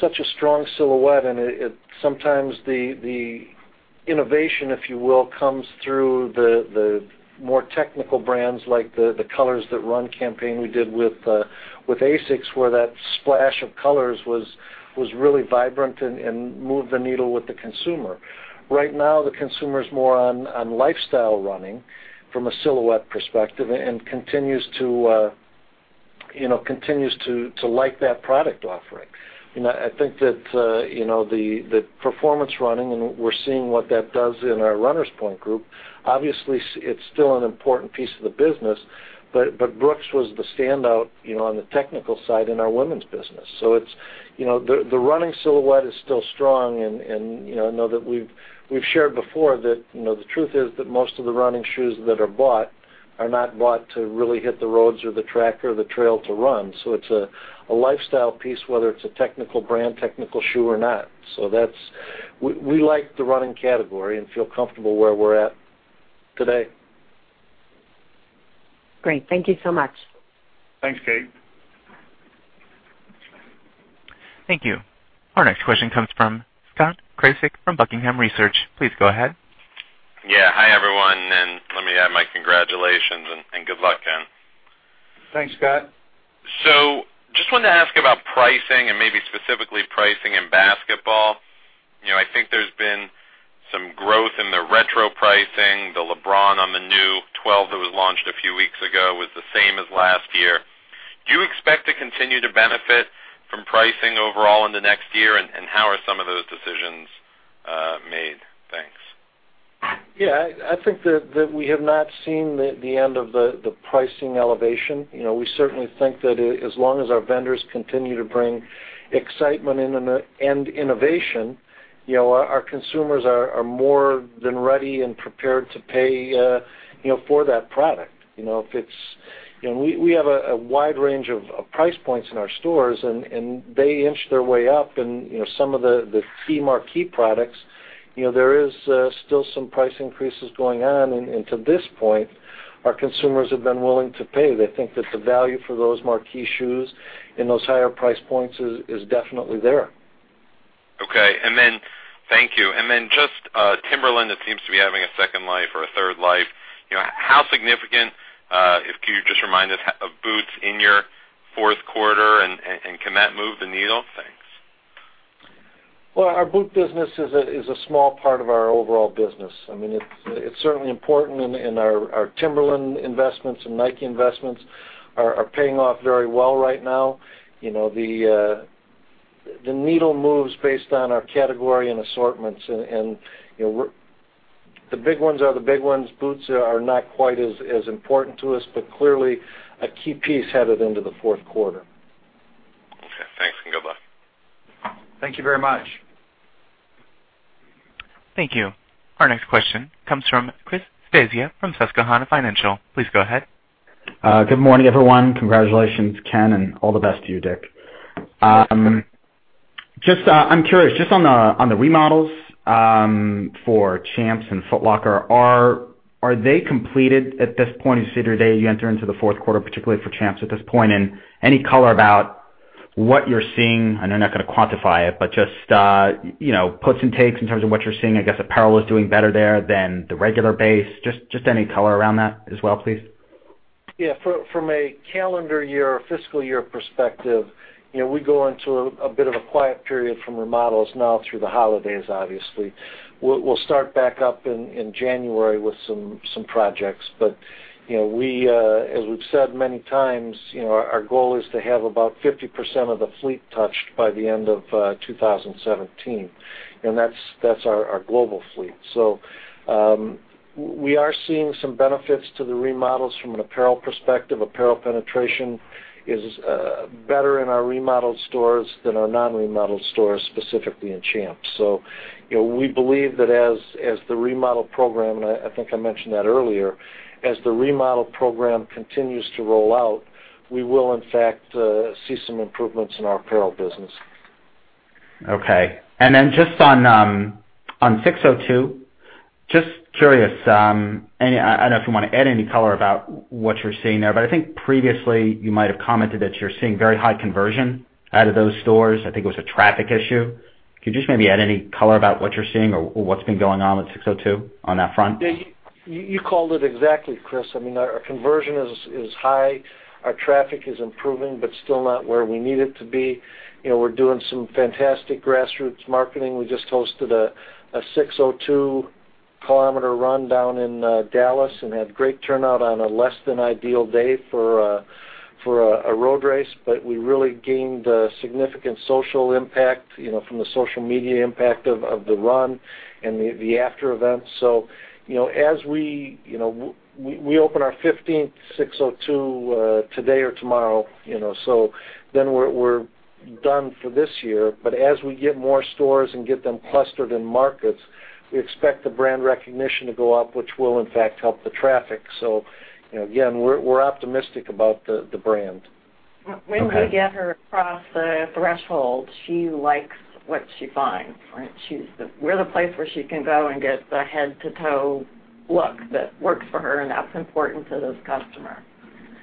such a strong silhouette, and sometimes the innovation, if you will, comes through the more technical brands like the Colors That Run campaign we did with ASICS, where that splash of colors was really vibrant and moved the needle with the consumer. Right now, the consumer is more on lifestyle running from a silhouette perspective and continues to like that product offering. I think that the performance running, and we're seeing what that does in our Runners Point Group. Obviously, it's still an important piece of the business, Brooks was the standout on the technical side in our women's business. The running silhouette is still strong, and I know that we've shared before that the truth is that most of the running shoes that are bought are not bought to really hit the roads or the track or the trail to run. It's a lifestyle piece, whether it's a technical brand, technical shoe or not. We like the running category and feel comfortable where we're at today. Great. Thank you so much. Thanks, Kate. Thank you. Our next question comes from Scott Krasik from Buckingham Research. Please go ahead. Yeah. Hi, everyone. Let me add my congratulations and good luck, Ken. Thanks, Scott. Just wanted to ask about pricing and maybe specifically pricing in basketball. I think there's been some growth in the retro pricing. The LeBron on the new 12 that was launched a few weeks ago was the same as last year. Do you expect to continue to benefit from pricing overall in the next year? How are some of those decisions made? Thanks. Yeah, I think that we have not seen the end of the pricing elevation. We certainly think that as long as our vendors continue to bring excitement in and innovation, our consumers are more than ready and prepared to pay for that product. We have a wide range of price points in our stores, and they inch their way up and some of the key marquee products, there is still some price increases going on, and to this point, our consumers have been willing to pay. They think that the value for those marquee shoes in those higher price points is definitely there. Okay. Thank you. Just Timberland, it seems to be having a second life or a third life. How significant, if could you just remind us of boots in your fourth quarter and can that move the needle? Thanks. Well, our boot business is a small part of our overall business. It's certainly important in our Timberland investments and Nike investments are paying off very well right now. The needle moves based on our category and assortments. The big ones are the big ones. Boots are not quite as important to us, but clearly a key piece headed into the fourth quarter. Okay, thanks, and goodbye. Thank you very much. Thank you. Our next question comes from Chris Svezia from Susquehanna Financial. Please go ahead. Good morning, everyone. Congratulations, Ken, and all the best to you, Dick. I'm curious, just on the remodels for Champs and Foot Locker, are they completed at this point as you see today, as you enter into the fourth quarter, particularly for Champs at this point? Any color about what you're seeing, I know you're not going to quantify it, but just puts and takes in terms of what you're seeing, I guess, apparel is doing better there than the regular base. Just any color around that as well, please. Yeah. From a calendar year or fiscal year perspective, we go into a bit of a quiet period from remodels now through the holidays, obviously. We'll start back up in January with some projects. As we've said many times, our goal is to have about 50% of the fleet touched by the end of 2017, and that's our global fleet. We are seeing some benefits to the remodels from an apparel perspective. Apparel penetration is better in our remodeled stores than our non-remodeled stores, specifically in Champs. We believe that as the remodel program, and I think I mentioned that earlier, as the remodel program continues to roll out, we will in fact, see some improvements in our apparel business. Okay. Just on SIX:02, just curious, I don't know if you want to add any color about what you're seeing there, but I think previously you might have commented that you're seeing very high conversion out of those stores. I think it was a traffic issue. Could you just maybe add any color about what you're seeing or what's been going on with SIX:02 on that front? You called it exactly, Chris. Our conversion is high. Our traffic is improving, but still not where we need it to be. We're doing some fantastic grassroots marketing. We just hosted a SIX:02-kilometer run down in Dallas and had great turnout on a less than ideal day for a road race. We really gained a significant social impact, from the social media impact of the run and the after event. We open our 15th SIX:02 today or tomorrow, we're done for this year. As we get more stores and get them clustered in markets, we expect the brand recognition to go up, which will in fact help the traffic. Again, we're optimistic about the brand. Okay. When we get her across the threshold, she likes what she finds. We're the place where she can go and get the head-to-toe look that works for her. That's important to this customer.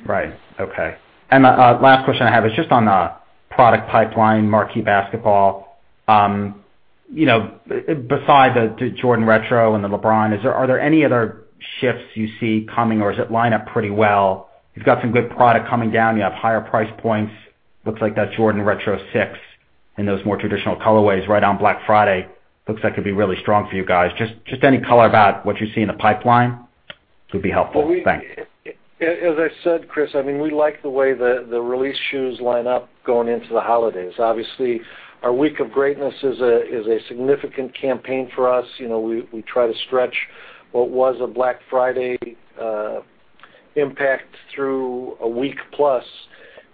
Right. Okay. The last question I have is just on the product pipeline, marquee basketball. Beside the Air Jordan Retro and the LeBron, are there any other shifts you see coming, or does it line up pretty well? You've got some good product coming down. You have higher price points. Looks like that Air Jordan Retro VI and those more traditional colorways right on Black Friday. Looks like it'd be really strong for you guys. Just any color about what you see in the pipeline would be helpful. Thanks. As I said, Chris, we like the way the release shoes line up going into the holidays. Obviously, our Week of Greatness is a significant campaign for us. We try to stretch what was a Black Friday impact through a week plus.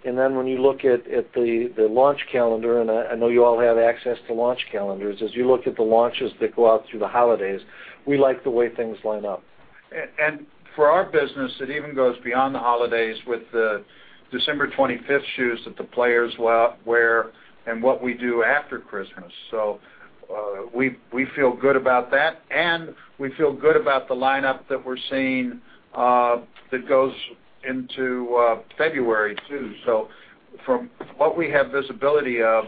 When you look at the launch calendar, and I know you all have access to launch calendars, as you look at the launches that go out through the holidays, we like the way things line up. For our business, it even goes beyond the holidays with the December 25th shoes that the players will wear and what we do after Christmas. We feel good about that, and we feel good about the lineup that we're seeing that goes into February, too. From what we have visibility of,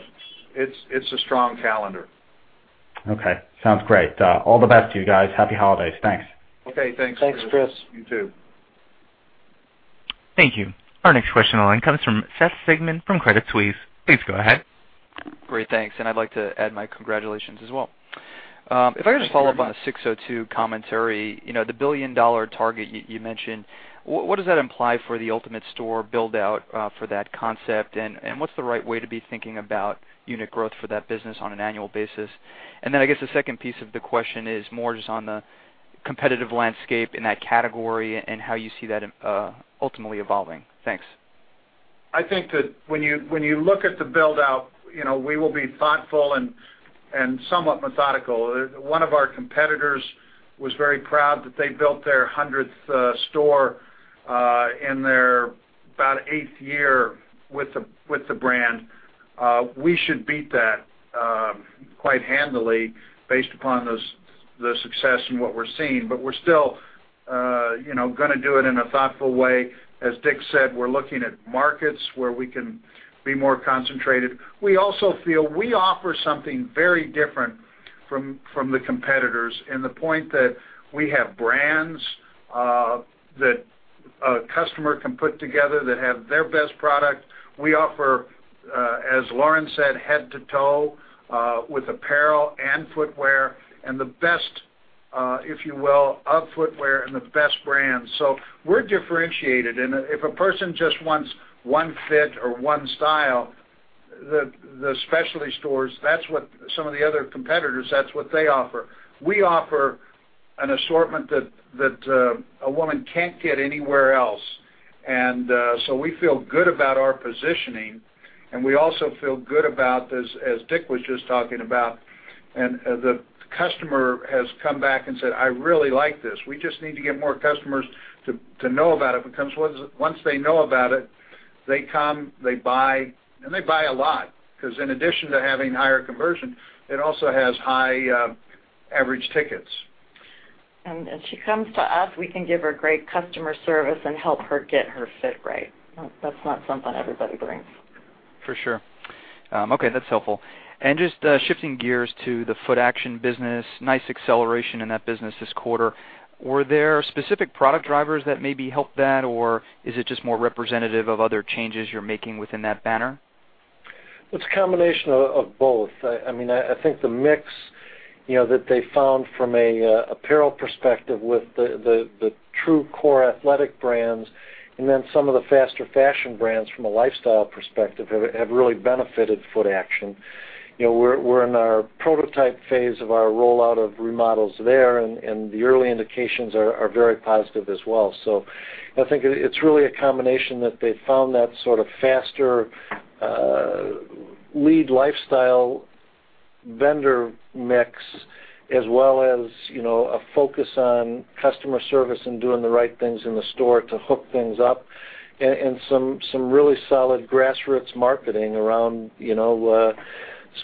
it's a strong calendar. Okay. Sounds great. All the best to you guys. Happy holidays. Thanks. Okay, thanks, Chris. Thanks, Chris. You, too. Thank you. Our next question online comes from Seth Sigman from Credit Suisse. Please go ahead. Great. Thanks. I'd like to add my congratulations as well. If I could just follow up on the SIX:02 commentary, the billion-dollar target you mentioned, what does that imply for the ultimate store build-out for that concept? What's the right way to be thinking about unit growth for that business on an annual basis? I guess the second piece of the question is more just on the competitive landscape in that category and how you see that ultimately evolving. Thanks. I think that when you look at the build-out, we will be thoughtful and somewhat methodical. One of our competitors was very proud that they built their 100th store in their about eighth year with the brand. We should beat that quite handily based upon the success in what we're seeing, but we're still going to do it in a thoughtful way. As Dick said, we're looking at markets where we can be more concentrated. We also feel we offer something very different from the competitors in the point that we have brands that a customer can put together that have their best product. We offer, as Lauren said, head to toe with apparel and footwear and the best, if you will, of footwear and the best brands. We're differentiated. If a person just wants one fit or one style, the specialty stores, some of the other competitors, that's what they offer. We offer an assortment that a woman can't get anywhere else. We feel good about our positioning, and we also feel good about, as Dick was just talking about, the customer has come back and said, "I really like this." We just need to get more customers to know about it because once they know about it, they come, they buy, and they buy a lot. Because in addition to having higher conversion, it also has high average tickets. If she comes to us, we can give her great customer service and help her get her fit right. That's not something everybody brings. For sure. Okay, that's helpful. Just shifting gears to the Footaction business, nice acceleration in that business this quarter. Were there specific product drivers that maybe helped that or is it just more representative of other changes you're making within that banner? It's a combination of both. I think the mix that they found from an apparel perspective with the true core athletic brands and then some of the faster fashion brands from a lifestyle perspective have really benefited Footaction. We're in our prototype phase of our rollout of remodels there, and the early indications are very positive as well. I think it's really a combination that they've found that sort of faster lead lifestyle vendor mix as well as a focus on customer service and doing the right things in the store to hook things up and some really solid grassroots marketing around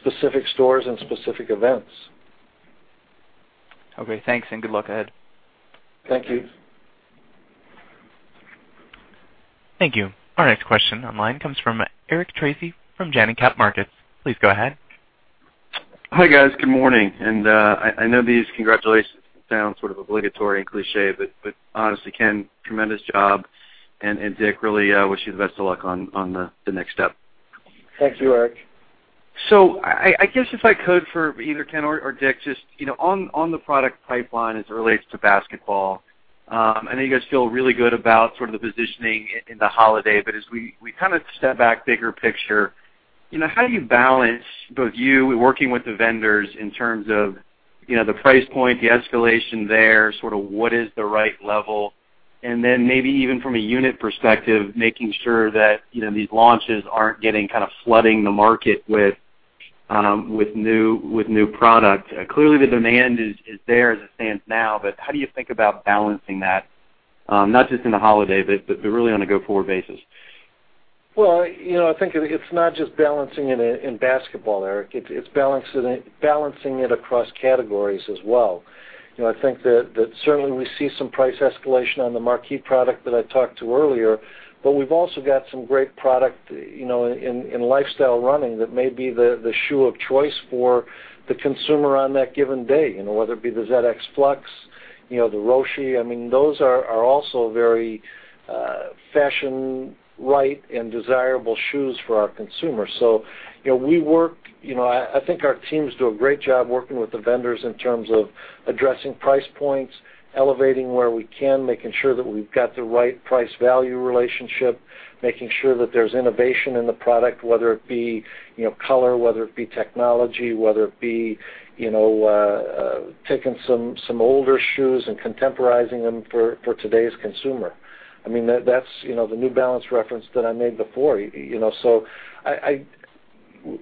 specific stores and specific events. Okay, thanks and good luck ahead. Thank you. Thank you. Our next question online comes from Eric Tracy from Janney Montgomery Scott. Please go ahead. Hi, guys. Good morning. I know these congratulations sound sort of obligatory and cliché. Honestly, Ken, tremendous job. Dick, really wish you the best of luck on the next step. Thank you, Eric. I guess if I could for either Ken or Dick, just on the product pipeline as it relates to basketball, I know you guys feel really good about sort of the positioning in the holiday, but as we kind of step back bigger picture, how do you balance both you working with the vendors in terms of the price point, the escalation there, sort of what is the right level? And then maybe even from a unit perspective, making sure that these launches aren't getting kind of flooding the market with new product. Clearly, the demand is there as it stands now, but how do you think about balancing that, not just in the holiday, but really on a go-forward basis? I think it's not just balancing it in basketball, Eric. It's balancing it across categories as well. I think that certainly we see some price escalation on the marquee product that I talked to earlier, but we've also got some great product in lifestyle running that may be the shoe of choice for the consumer on that given day, whether it be the ZX Flux, the Roshe. Those are also very fashion right and desirable shoes for our consumers. I think our teams do a great job working with the vendors in terms of addressing price points, elevating where we can, making sure that we've got the right price-value relationship, making sure that there's innovation in the product, whether it be color, whether it be technology, whether it be taking some older shoes and contemporizing them for today's consumer. That's the New Balance reference that I made before.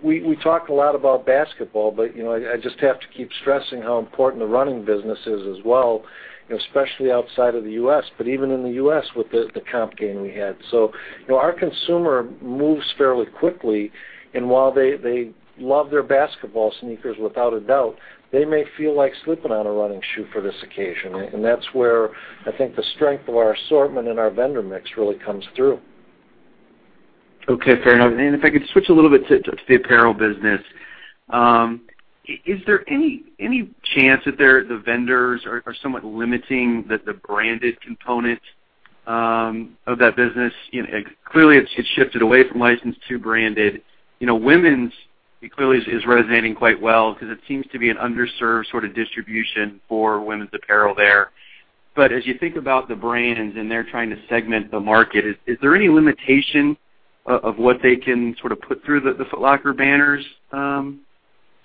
We talk a lot about basketball, I just have to keep stressing how important the running business is as well, especially outside of the U.S., even in the U.S. with the comp gain we had. Our consumer moves fairly quickly, while they love their basketball sneakers, without a doubt, they may feel like slipping on a running shoe for this occasion. That's where I think the strength of our assortment and our vendor mix really comes through. Okay, fair enough. If I could switch a little bit to the apparel business. Is there any chance that the vendors are somewhat limiting the branded component of that business? Clearly, it's shifted away from licensed to branded. Women's clearly is resonating quite well because it seems to be an underserved sort of distribution for women's apparel there. As you think about the brands and they're trying to segment the market, is there any limitation of what they can sort of put through the Foot Locker banners? Is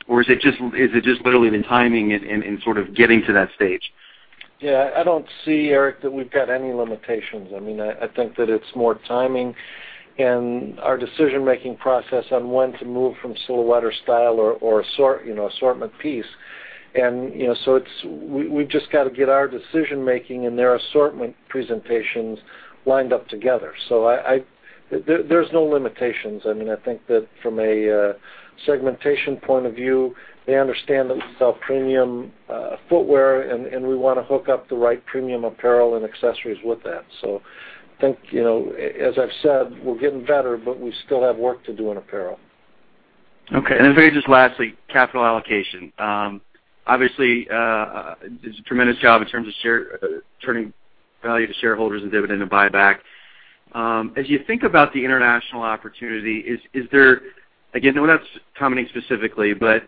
it just literally the timing and sort of getting to that stage? Yeah, I don't see, Eric, that we've got any limitations. I think that it's more timing and our decision-making process on when to move from silhouette or style or assortment piece. We've just got to get our decision-making and their assortment presentations lined up together. There's no limitations. I think that from a segmentation point of view. They understand that we sell premium footwear, and we want to hook up the right premium apparel and accessories with that. I think, as I've said, we're getting better, but we still have work to do in apparel. Okay. For you, just lastly, capital allocation. Obviously, it's a tremendous job in terms of returning value to shareholders and dividend and buyback. As you think about the international opportunity, is there, again, no one asking specifically, but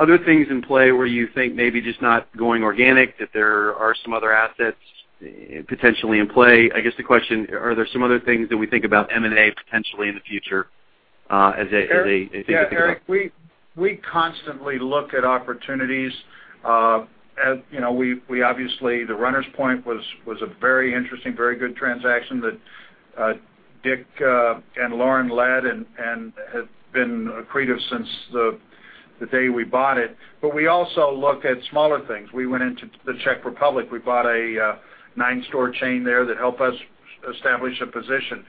other things in play where you think maybe just not going organic, that there are some other assets potentially in play. I guess the question, are there some other things that we think about M&A potentially in the future as they- Yeah, Eric, we constantly look at opportunities. Obviously, the Runners Point was a very interesting, very good transaction that Dick and Lauren led and has been accretive since the day we bought it. We also look at smaller things. We went into the Czech Republic. We bought a nine-store chain there that helped us establish a position.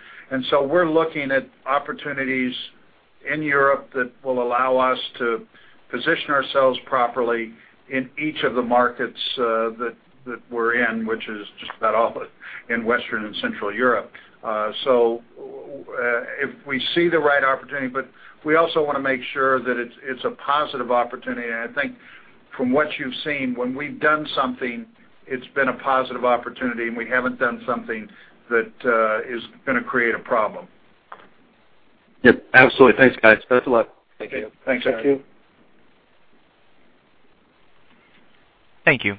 We're looking at opportunities in Europe that will allow us to position ourselves properly in each of the markets that we're in, which is just about all of it in Western and Central Europe. If we see the right opportunity, we also want to make sure that it's a positive opportunity. I think from what you've seen, when we've done something, it's been a positive opportunity, and we haven't done something that is going to create a problem. Yep, absolutely. Thanks, guys. Best of luck. Thank you. Thanks, Eric. Thank you. Thank you.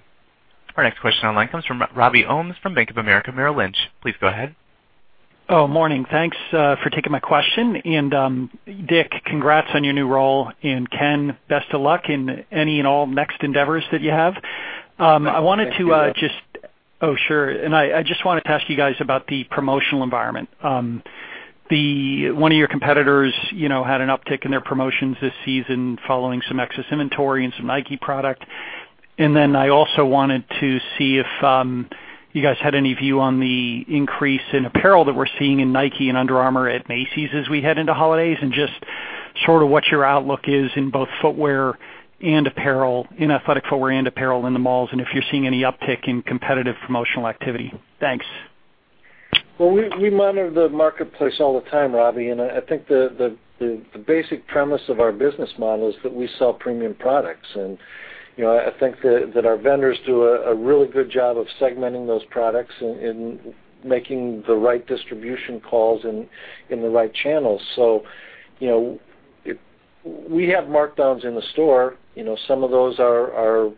Our next question online comes from Robert Ohmes from Bank of America Merrill Lynch. Please go ahead. Morning. Thanks for taking my question. Dick, congrats on your new role and Ken, best of luck in any and all next endeavors that you have. Thanks, Robbie. Sure. I just wanted to ask you guys about the promotional environment. One of your competitors had an uptick in their promotions this season following some excess inventory and some Nike product. I also wanted to see if you guys had any view on the increase in apparel that we're seeing in Nike and Under Armour at Macy's as we head into holidays and just sort of what your outlook is in both footwear and apparel, in athletic footwear and apparel in the malls, and if you're seeing any uptick in competitive promotional activity. Thanks. Well, we monitor the marketplace all the time, Robbie, I think the basic premise of our business model is that we sell premium products. I think that our vendors do a really good job of segmenting those products and making the right distribution calls in the right channels. We have markdowns in the store. Some of those are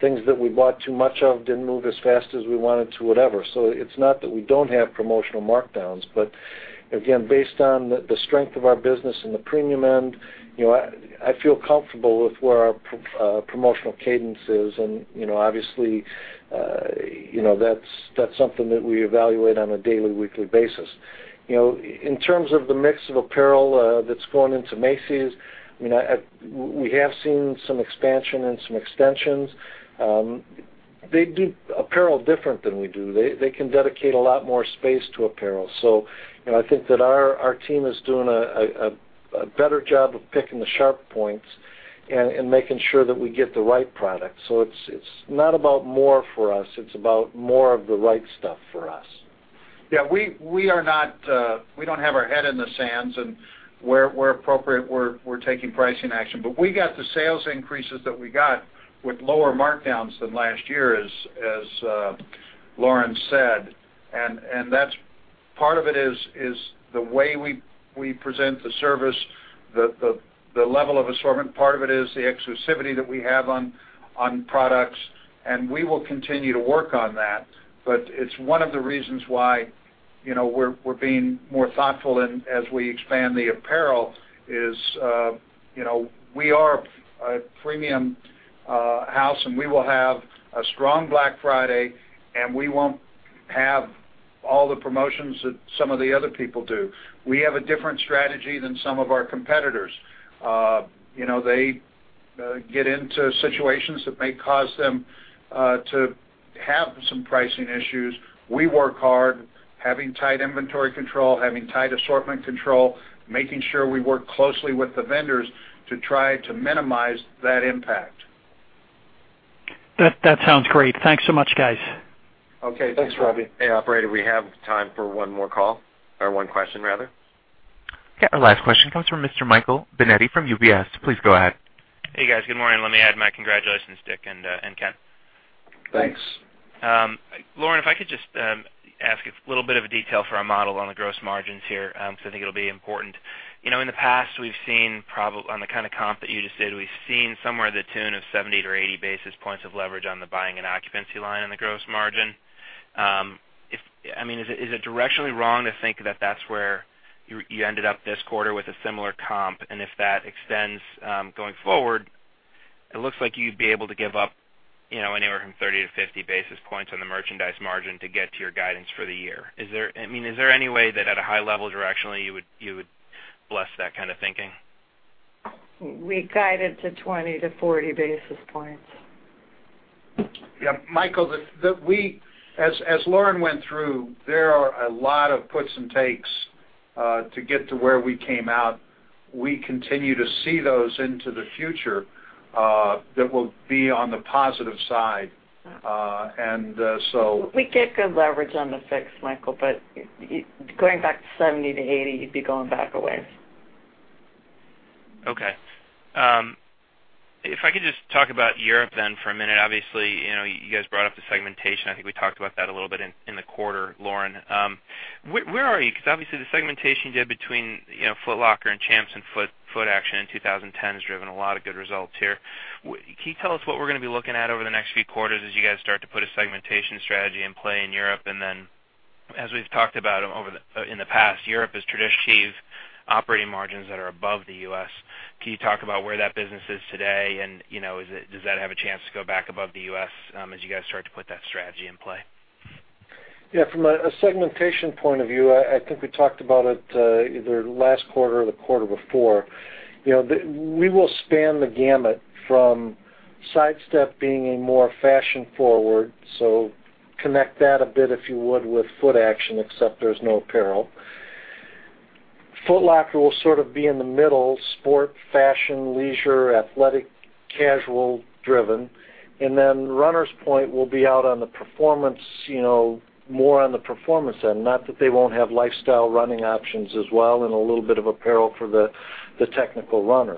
things that we bought too much of, didn't move as fast as we wanted to, whatever. It's not that we don't have promotional markdowns, but again, based on the strength of our business in the premium end, I feel comfortable with where our promotional cadence is, obviously, that's something that we evaluate on a daily, weekly basis. In terms of the mix of apparel that's going into Macy's, we have seen some expansion and some extensions. They do apparel different than we do. They can dedicate a lot more space to apparel. I think that our team is doing a better job of picking the sharp points and making sure that we get the right product. It's not about more for us, it's about more of the right stuff for us. We don't have our head in the sands and where appropriate, we're taking pricing action. We got the sales increases that we got with lower markdowns than last year, as Lauren said. Part of it is the way we present the service, the level of assortment. Part of it is the exclusivity that we have on products, and we will continue to work on that. It's one of the reasons why we're being more thoughtful as we expand the apparel is we are a premium house and we will have a strong Black Friday and we won't have all the promotions that some of the other people do. We have a different strategy than some of our competitors. They get into situations that may cause them to have some pricing issues. We work hard having tight inventory control, having tight assortment control, making sure we work closely with the vendors to try to minimize that impact. That sounds great. Thanks so much, guys. Okay. Thanks, Robbie. Hey, operator, we have time for one more call or one question, rather. Yeah. Our last question comes from Mr. Michael Binetti from UBS. Please go ahead. Hey, guys. Good morning. Let me add my congratulations, Dick and Ken. Thanks. Lauren, if I could just ask a little bit of a detail for our model on the gross margins here because I think it will be important. In the past, on the kind of comp that you just did, we've seen somewhere in the tune of 70-80 basis points of leverage on the buying and occupancy line on the gross margin. Is it directionally wrong to think that's where you ended up this quarter with a similar comp, and if that extends going forward, it looks like you'd be able to give up anywhere from 30-50 basis points on the merchandise margin to get to your guidance for the year. Is there any way that at a high level directionally, you would bless that kind of thinking? We guided to 20-40 basis points. Yeah, Michael, as Lauren went through, there are a lot of puts and takes to get to where we came out. We continue to see those into the future that will be on the positive side. We get good leverage on the FX, Michael, going back to 70-80, you'd be going back a ways. Okay. If I could just talk about Europe then for a minute. Obviously, you guys brought up the segmentation. I think we talked about that a little bit in the quarter, Lauren. Where are you? Because obviously the segmentation you did between Foot Locker and Champs and Footaction in 2010 has driven a lot of good results here. Can you tell us what we're going to be looking at over the next few quarters as you guys start to put a segmentation strategy in play in Europe? As we've talked about in the past, Europe has traditionally had operating margins that are above the U.S. Can you talk about where that business is today and, does that have a chance to go back above the U.S. as you guys start to put that strategy in play? From a segmentation point of view, I think we talked about it either last quarter or the quarter before. We will span the gamut from Sidestep being a more fashion-forward, so connect that a bit, if you would, with Footaction, except there's no apparel. Foot Locker will sort of be in the middle: sport, fashion, leisure, athletic, casual driven. Runners Point will be out on the performance, more on the performance end, not that they won't have lifestyle running options as well and a little bit of apparel for the technical runner.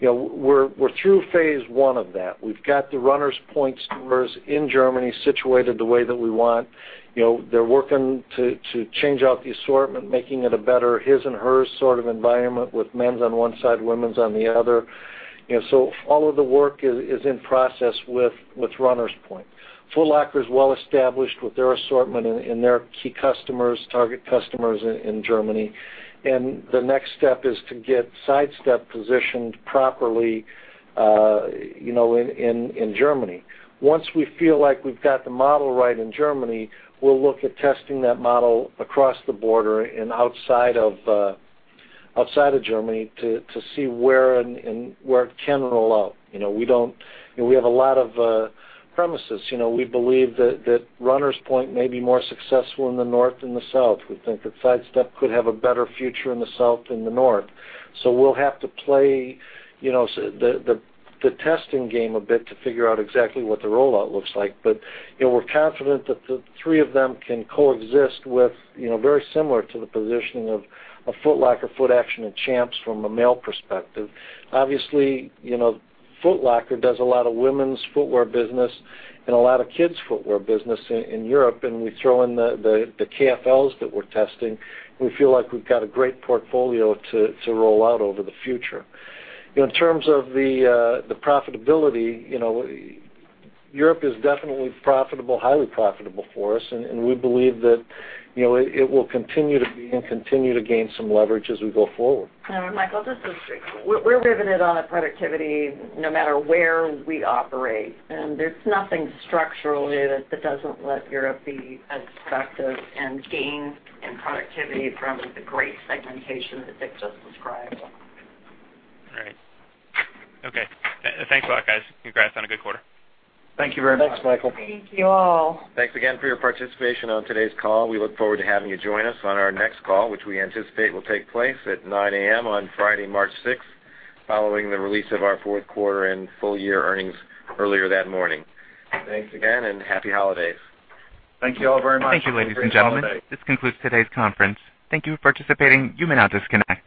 We're through phase 1 of that. We've got the Runners Point stores in Germany situated the way that we want. They're working to change out the assortment, making it a better his-and-hers sort of environment with men's on one side, women's on the other. All of the work is in process with Runners Point. Foot Locker is well established with their assortment and their key customers, target customers in Germany. The next step is to get Sidestep positioned properly in Germany. Once we feel like we've got the model right in Germany, we'll look at testing that model across the border and outside of Germany to see where it can roll out. We have a lot of premises. We believe that Runners Point may be more successful in the North than the South. We think that Sidestep could have a better future in the South than the North. We'll have to play the testing game a bit to figure out exactly what the rollout looks like. We're confident that the three of them can coexist with very similar to the positioning of a Foot Locker, Footaction, and Champs Sports from a male perspective. Obviously, Foot Locker does a lot of women's footwear business and a lot of kids footwear business in Europe, and we throw in the KFLs that we're testing. We feel like we've got a great portfolio to roll out over the future. In terms of the profitability, Europe is definitely profitable, highly profitable for us, and we believe that it will continue to be and continue to gain some leverage as we go forward. Michael, just to speak. We're riveted on our productivity no matter where we operate, and there's nothing structurally that doesn't let Europe be as effective and gain in productivity from the great segmentation that Dick just described. All right. Okay. Thanks a lot, guys. Congrats on a good quarter. Thank you very much. Thanks, Michael. Thank you, all. Thanks again for your participation on today's call. We look forward to having you join us on our next call, which we anticipate will take place at 9:00 A.M. on Friday, March sixth, following the release of our fourth quarter and full-year earnings earlier that morning. Thanks again, and happy holidays. Thank you all very much. Have a great holiday. Thank you, ladies and gentlemen. This concludes today's conference. Thank you for participating. You may now disconnect.